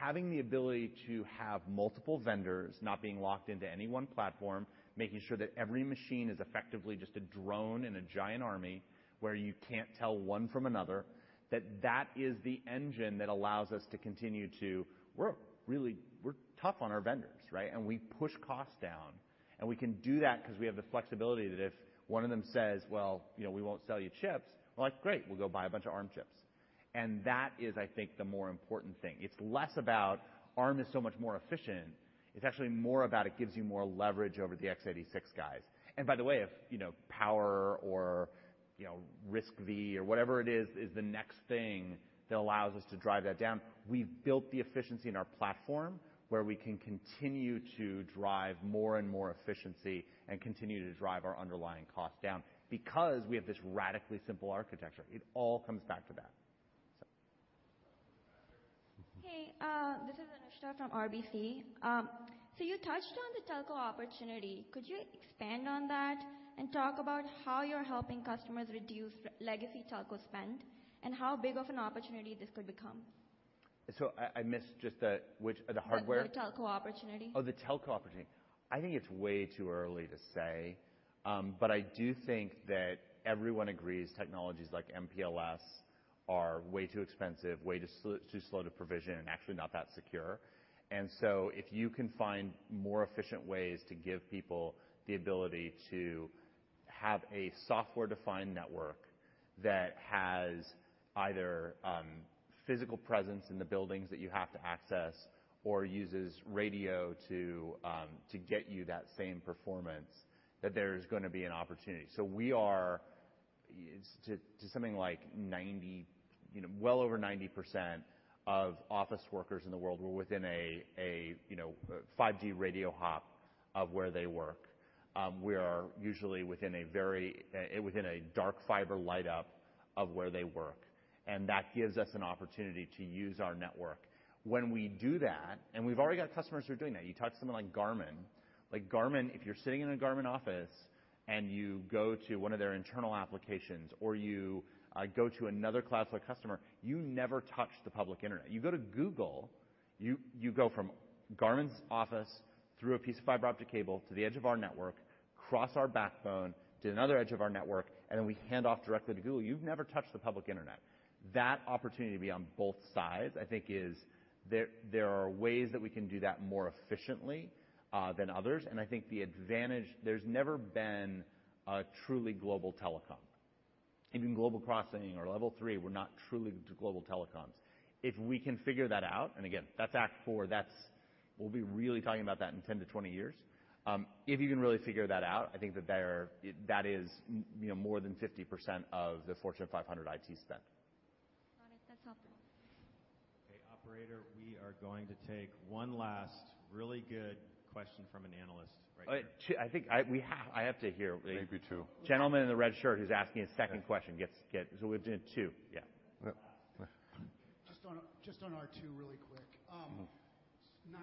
Having the ability to have multiple vendors not being locked into any one platform, making sure that every machine is effectively just a drone in a giant army, where you can't tell one from another, that is the engine that allows us to continue to. We're really tough on our vendors, right? We push costs down, and we can do that 'cause we have the flexibility that if one of them says, "Well, you know, we won't sell you chips," we're like, "Great, we'll go buy a bunch of ARM chips." That is, I think, the more important thing. It's less about ARM is so much more efficient. It's actually more about it gives you more leverage over the x86 guys. By the way, if, you know, Power or, you know, RISC-V or whatever it is the next thing that allows us to drive that down, we've built the efficiency in our platform where we can continue to drive more and more efficiency and continue to drive our underlying cost down because we have this radically simple architecture. It all comes back to that, so. Hey, this is Anusha from RBC. You touched on the telco opportunity. Could you expand on that and talk about how you're helping customers reduce legacy telco spend and how big of an opportunity this could become? I missed which, the hardware? The telco opportunity. Oh, the telco opportunity. I think it's way too early to say. I do think that everyone agrees technologies like MPLS are way too expensive, way too slow to provision and actually not that secure. If you can find more efficient ways to give people the ability to have a software-defined network that has either physical presence in the buildings that you have to access or uses radio to get you that same performance, that there's gonna be an opportunity. We are to something like 90%, you know, well over 90% of office workers in the world were within a 5G radio hop of where they work. We are usually within a dark fiber light up of where they work. That gives us an opportunity to use our network. When we do that, we've already got customers who are doing that. You talk to someone like Garmin. Like Garmin, if you're sitting in a Garmin office, and you go to one of their internal applications, or you go to another cloud SaaS customer, you never touch the public internet. You go to Google, you go from Garmin's office through a piece of fiber optic cable to the edge of our network, cross our backbone to another edge of our network, and then we hand off directly to Google. You've never touched the public internet. That opportunity to be on both sides, I think, is there. There are ways that we can do that more efficiently than others, and I think the advantage. There's never been a truly global telecom. Even Global Crossing or Level 3 were not truly global telecoms. If we can figure that out, and again, that's act four, that's. We'll be really talking about that in 10-20 years. If you can really figure that out, I think that is, you know, more than 50% of the Fortune 500 IT spend. Got it. That's helpful. Okay. Operator, we are going to take one last really good question from an analyst right here. 2. I have to hear. Maybe two. Gentleman in the red shirt who's asking his second question. We'll do two. Yeah. Yep. Just on R2 really quick. 9,000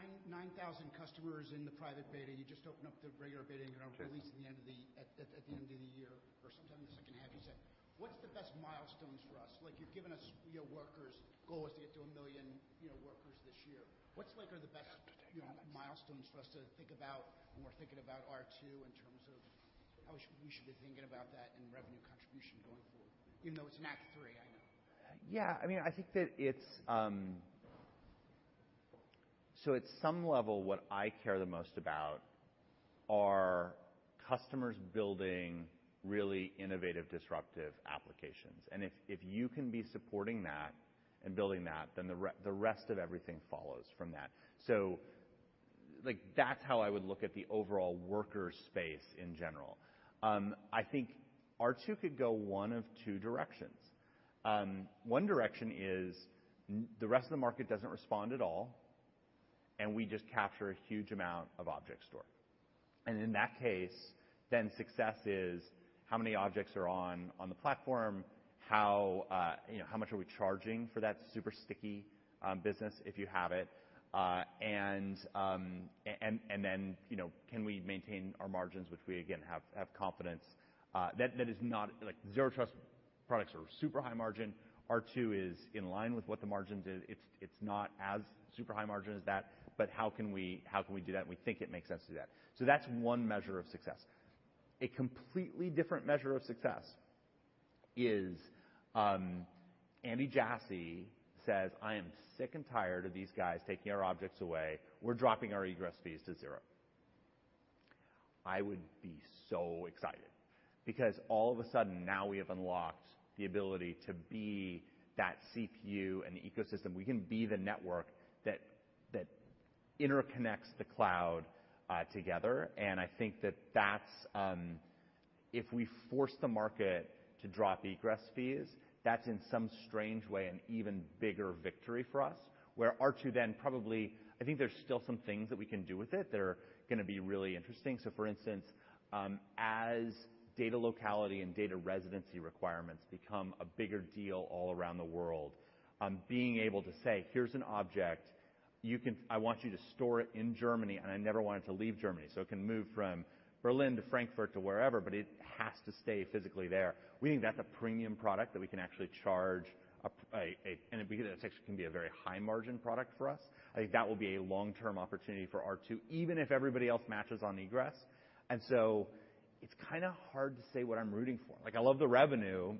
customers in the private beta. You just opened up the regular beta, and you're gonna release at the end of the year or sometime in the second half, you said. What's the best milestones for us? Like, you've given us your Workers goal is to get to 1 million, you know, Workers this year. What's like are the best- You have to take all that. you know, milestones for us to think about when we're thinking about R2 in terms of how we should be thinking about that in revenue contribution going forward? Even though it's in act three, I know. Yeah. I mean, I think that it's. At some level, what I care the most about are customers building really innovative, disruptive applications. If you can be supporting that and building that, then the rest of everything follows from that. Like, that's how I would look at the overall Workers space in general. I think R2 could go one of two directions. One direction is the rest of the market doesn't respond at all, and we just capture a huge amount of object store. In that case, then success is how many objects are on the platform, you know, how much are we charging for that super sticky business if you have it. And then, you know, can we maintain our margins, which we again have confidence. That is not. Like, Zero Trust products are super high margin. R2 is in line with what the margins is. It's not as super high margin as that, but how can we, how can we do that? We think it makes sense to do that. That's one measure of success. A completely different measure of success is, Andy Jassy says, "I am sick and tired of these guys taking our objects away. We're dropping our egress fees to zero." I would be so excited because all of a sudden now we have unlocked the ability to be that CPU and the ecosystem. We can be the network that interconnects the cloud together. I think that's if we force the market to drop egress fees, that's in some strange way an even bigger victory for us. Where R2 then probably, I think there's still some things that we can do with it that are gonna be really interesting. For instance, as data locality and data residency requirements become a bigger deal all around the world, being able to say, "Here's an object. I want you to store it in Germany, and I never want it to leave Germany, so it can move from Berlin to Frankfurt to wherever, but it has to stay physically there." We think that's a premium product that we can actually charge a. It actually can be a very high margin product for us. I think that will be a long-term opportunity for R2, even if everybody else matches on egress. It's kinda hard to say what I'm rooting for. Like, I love the revenue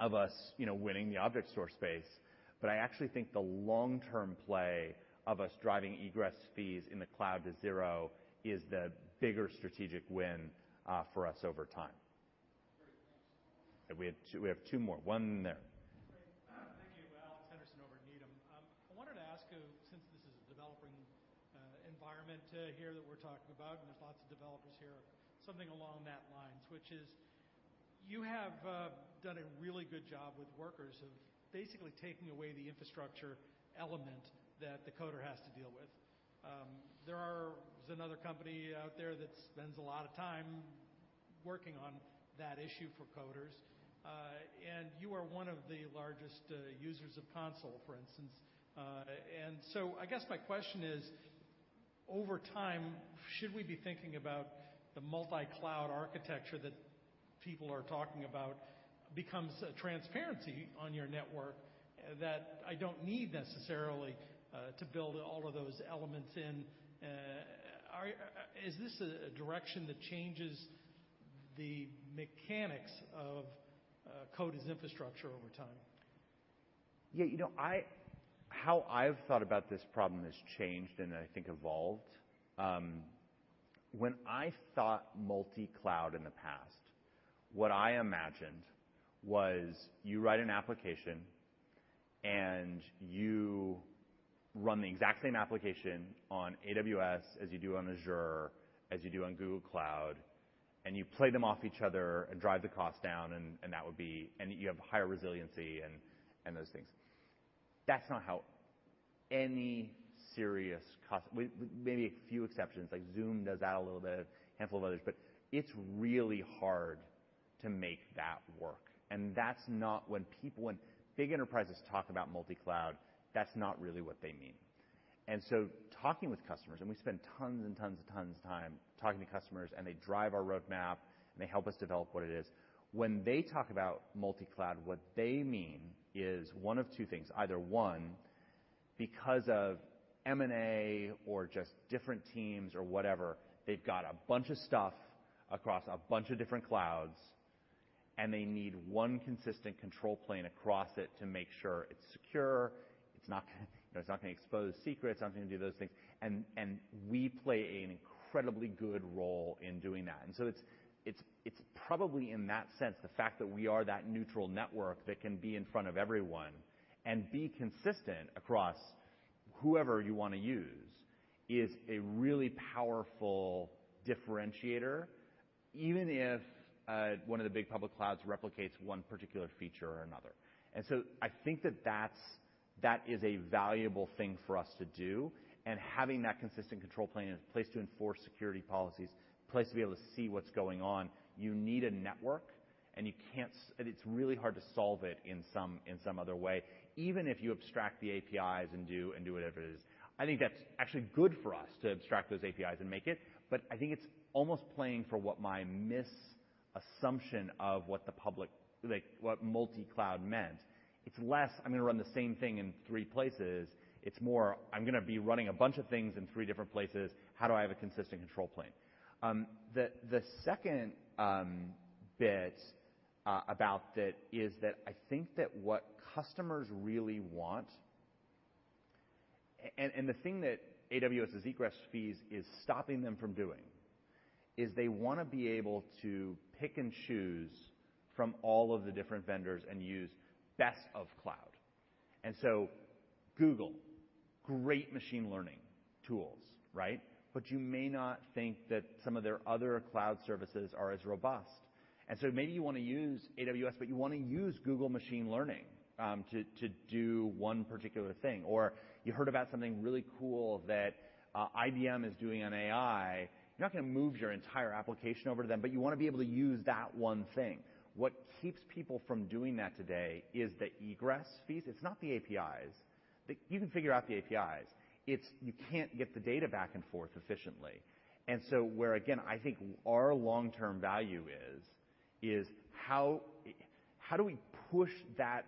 of us, you know, winning the object store space, but I actually think the long-term play of us driving egress fees in the cloud to zero is the bigger strategic win for us over time. We have two more. One there. Great. Thank you. Alex Henderson over at Needham. I wanted to ask you, since this is a development environment here that we're talking about, and there's lots of developers here, something along those lines, which is you have done a really good job with Workers of basically taking away the infrastructure element that the coder has to deal with. There's another company out there that spends a lot of time working on that issue for coders. You are one of the largest users of Consul, for instance. I guess my question is, over time, should we be thinking about the multi-cloud architecture that people are talking about becomes transparent on your network that I don't need necessarily to build all of those elements in? Is this a direction that changes the mechanics of code as infrastructure over time? Yeah, you know, how I've thought about this problem has changed and I think evolved. When I thought multi-cloud in the past, what I imagined was you write an application and you run the exact same application on AWS as you do on Azure, as you do on Google Cloud, and you play them off each other and drive the cost down and that would be and you have higher resiliency and those things. That's not how any serious customers work. With maybe a few exceptions, like Zoom does that a little bit, a handful of others, but it's really hard to make that work. When big enterprises talk about multi-cloud, that's not really what they mean. Talking with customers, and we spend tons and tons and tons of time talking to customers, and they drive our roadmap, and they help us develop what it is. When they talk about multi-cloud, what they mean is one of two things. Either, one, because of M&A or just different teams or whatever, they've got a bunch of stuff across a bunch of different clouds, and they need one consistent control plane across it to make sure it's secure. It's not, you know, it's not gonna expose secrets. It's not gonna do those things. We play an incredibly good role in doing that. It's probably in that sense, the fact that we are that neutral network that can be in front of everyone and be consistent across whoever you wanna use is a really powerful differentiator, even if one of the big public clouds replicates one particular feature or another. I think that that is a valuable thing for us to do. Having that consistent control plane, a place to enforce security policies, a place to be able to see what's going on, you need a network. It's really hard to solve it in some other way, even if you abstract the APIs and do whatever it is. I think that's actually good for us to abstract those APIs and make it, but I think it's almost playing for what my misassumption of what the public, like, what multi-cloud meant. It's less, "I'm gonna run the same thing in three places." It's more, "I'm gonna be running a bunch of things in three different places. How do I have a consistent control plane?" The second bit about that is that I think that what customers really want and the thing that AWS's egress fees is stopping them from doing is they wanna be able to pick and choose from all of the different vendors and use best of cloud. Google's great machine learning tools, right? But you may not think that some of their other cloud services are as robust. Maybe you wanna use AWS, but you wanna use Google Machine Learning to do one particular thing. Or you heard about something really cool that IBM is doing on AI. You're not gonna move your entire application over to them, but you wanna be able to use that one thing. What keeps people from doing that today is the egress fees. It's not the APIs. You can figure out the APIs. It's you can't get the data back and forth efficiently. Where, again, I think our long-term value is how do we push that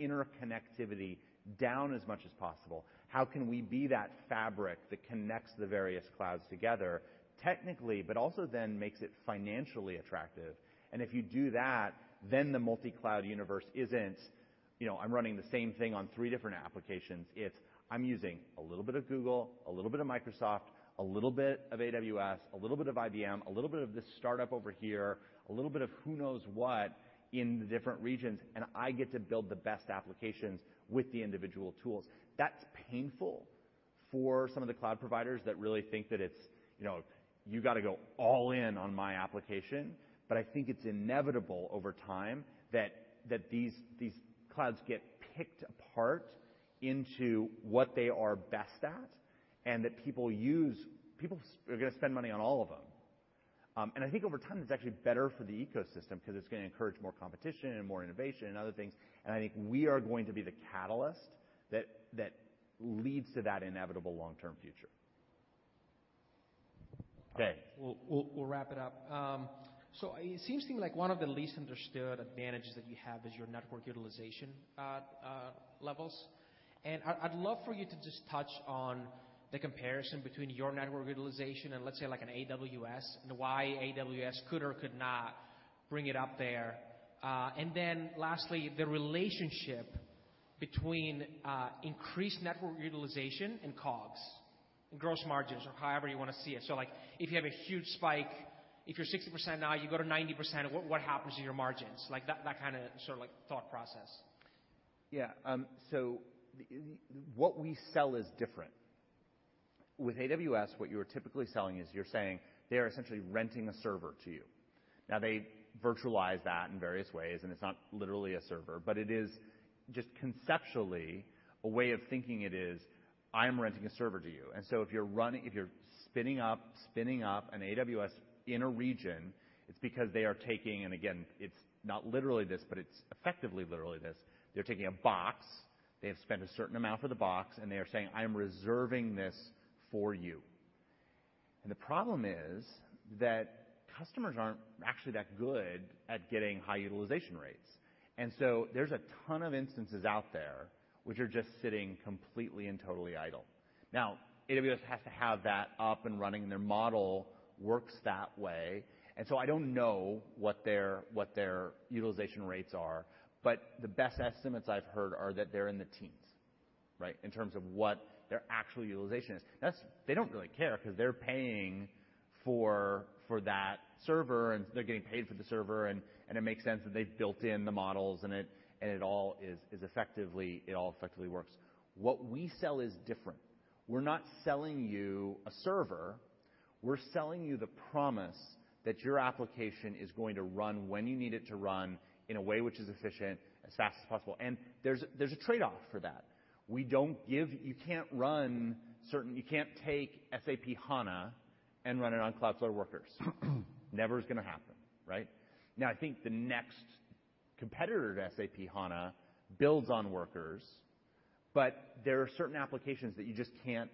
interconnectivity down as much as possible? How can we be that fabric that connects the various clouds together technically, but also then makes it financially attractive? If you do that, then the multi-cloud universe isn't. You know, I'm running the same thing on three different applications. It's I'm using a little bit of Google, a little bit of Microsoft, a little bit of AWS, a little bit of IBM, a little bit of this startup over here, a little bit of who knows what in the different regions, and I get to build the best applications with the individual tools. That's painful for some of the cloud providers that really think that it's, you know, you got to go all in on my application. I think it's inevitable over time that these clouds get picked apart into what they are best at and that people use. People are gonna spend money on all of them. I think over time, it's actually better for the ecosystem 'cause it's gonna encourage more competition and more innovation and other things. I think we are going to be the catalyst that leads to that inevitable long-term future. Okay. We'll wrap it up. It seems to me like one of the least understood advantages that you have is your network utilization levels. I'd love for you to just touch on the comparison between your network utilization and let's say like an AWS and why AWS could or could not bring it up there. Then lastly, the relationship between increased network utilization and COGS, gross margins or however you wanna see it. Like, if you have a huge spike, if you're 60% now, you go to 90%, what happens to your margins? Like that kinda sort of like thought process. Yeah, what we sell is different. With AWS, what you are typically selling is you're saying they are essentially renting a server to you. Now, they virtualize that in various ways, and it's not literally a server, but it is just conceptually a way of thinking it is, I'm renting a server to you. If you're spinning up an AWS in a region, it's because they are taking, and again, it's not literally this, but it's effectively literally this. They're taking a box, they have spent a certain amount for the box, and they are saying, "I am reserving this for you." The problem is that customers aren't actually that good at getting high utilization rates. There's a ton of instances out there which are just sitting completely and totally idle. Now, AWS has to have that up and running. Their model works that way. I don't know what their utilization rates are, but the best estimates I've heard are that they're in the teens, right? In terms of what their actual utilization is. That's. They don't really care 'cause they're paying for that server, and they're getting paid for the server, and it makes sense that they've built in the models and it all is effectively. It all effectively works. What we sell is different. We're not selling you a server, we're selling you the promise that your application is going to run when you need it to run in a way which is efficient, as fast as possible. There's a trade-off for that. We don't give. You can't run certain. You can't take SAP HANA and run it on Cloudflare Workers. Never is gonna happen, right? Now, I think the next competitor to SAP HANA builds on Workers, but there are certain applications that you just can't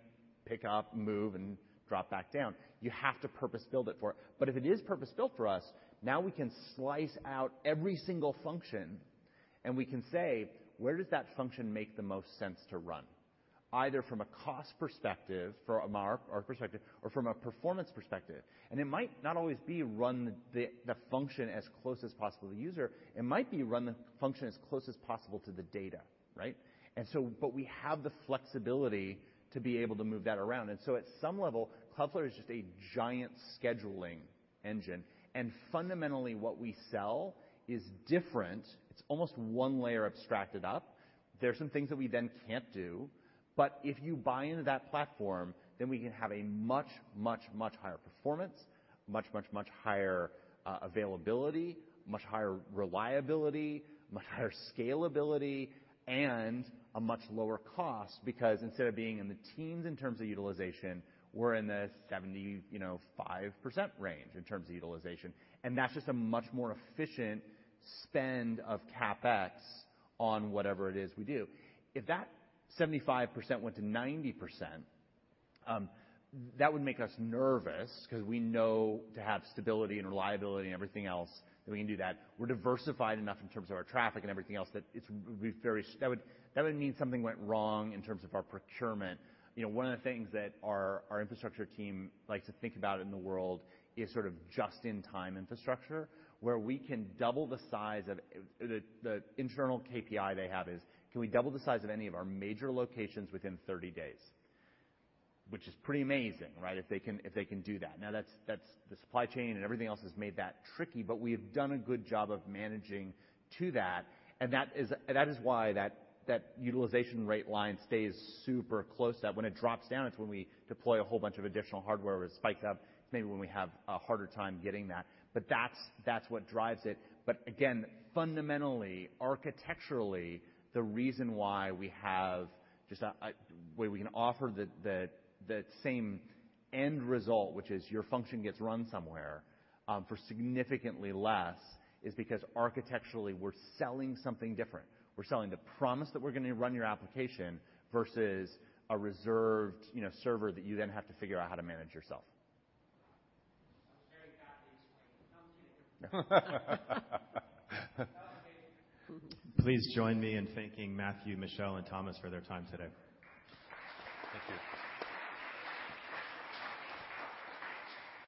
pick up, move and drop back down. You have to purpose-build it for. If it is purpose-built for us, now we can slice out every single function and we can say, "Where does that function make the most sense to run?" Either from a cost perspective, from our perspective, or from a performance perspective. It might not always be run the function as close as possible to the user. It might be run the function as close as possible to the data, right? We have the flexibility to be able to move that around. At some level, Cloudflare is just a giant scheduling engine. Fundamentally, what we sell is different. It's almost one layer abstracted up. There are some things that we then can't do. But if you buy into that platform, then we can have a much higher performance, much higher availability, much higher reliability, much higher scalability, and a much lower cost. Because instead of being in the teens in terms of utilization, we're in the seventy, you know, five percent range in terms of utilization. That's just a much more efficient spend of CapEx on whatever it is we do. If that seventy-five percent went to ninety percent, that would make us nervous 'cause we know to have stability and reliability and everything else, that we can do that. We're diversified enough in terms of our traffic and everything else, that it would mean something went wrong in terms of our procurement. You know, one of the things that our infrastructure team likes to think about in the world is sort of just-in-time infrastructure. The internal KPI they have is, can we double the size of any of our major locations within 30 days? Which is pretty amazing, right? If they can do that. Now, that's the supply chain and everything else has made that tricky, but we have done a good job of managing to that. That is why the utilization rate line stays super close. That when it drops down, it's when we deploy a whole bunch of additional hardware or spike up, it's maybe when we have a harder time getting that. But that's what drives it. But again, fundamentally, architecturally, the reason why we have just a way we can offer the same end result, which is your function gets run somewhere, for significantly less, is because architecturally, we're selling something different. We're selling the promise that we're gonna run your application versus a reserved, you know, server that you then have to figure out how to manage yourself. Please join me in thanking Matthew, Michelle, and Thomas for their time today. Thank you.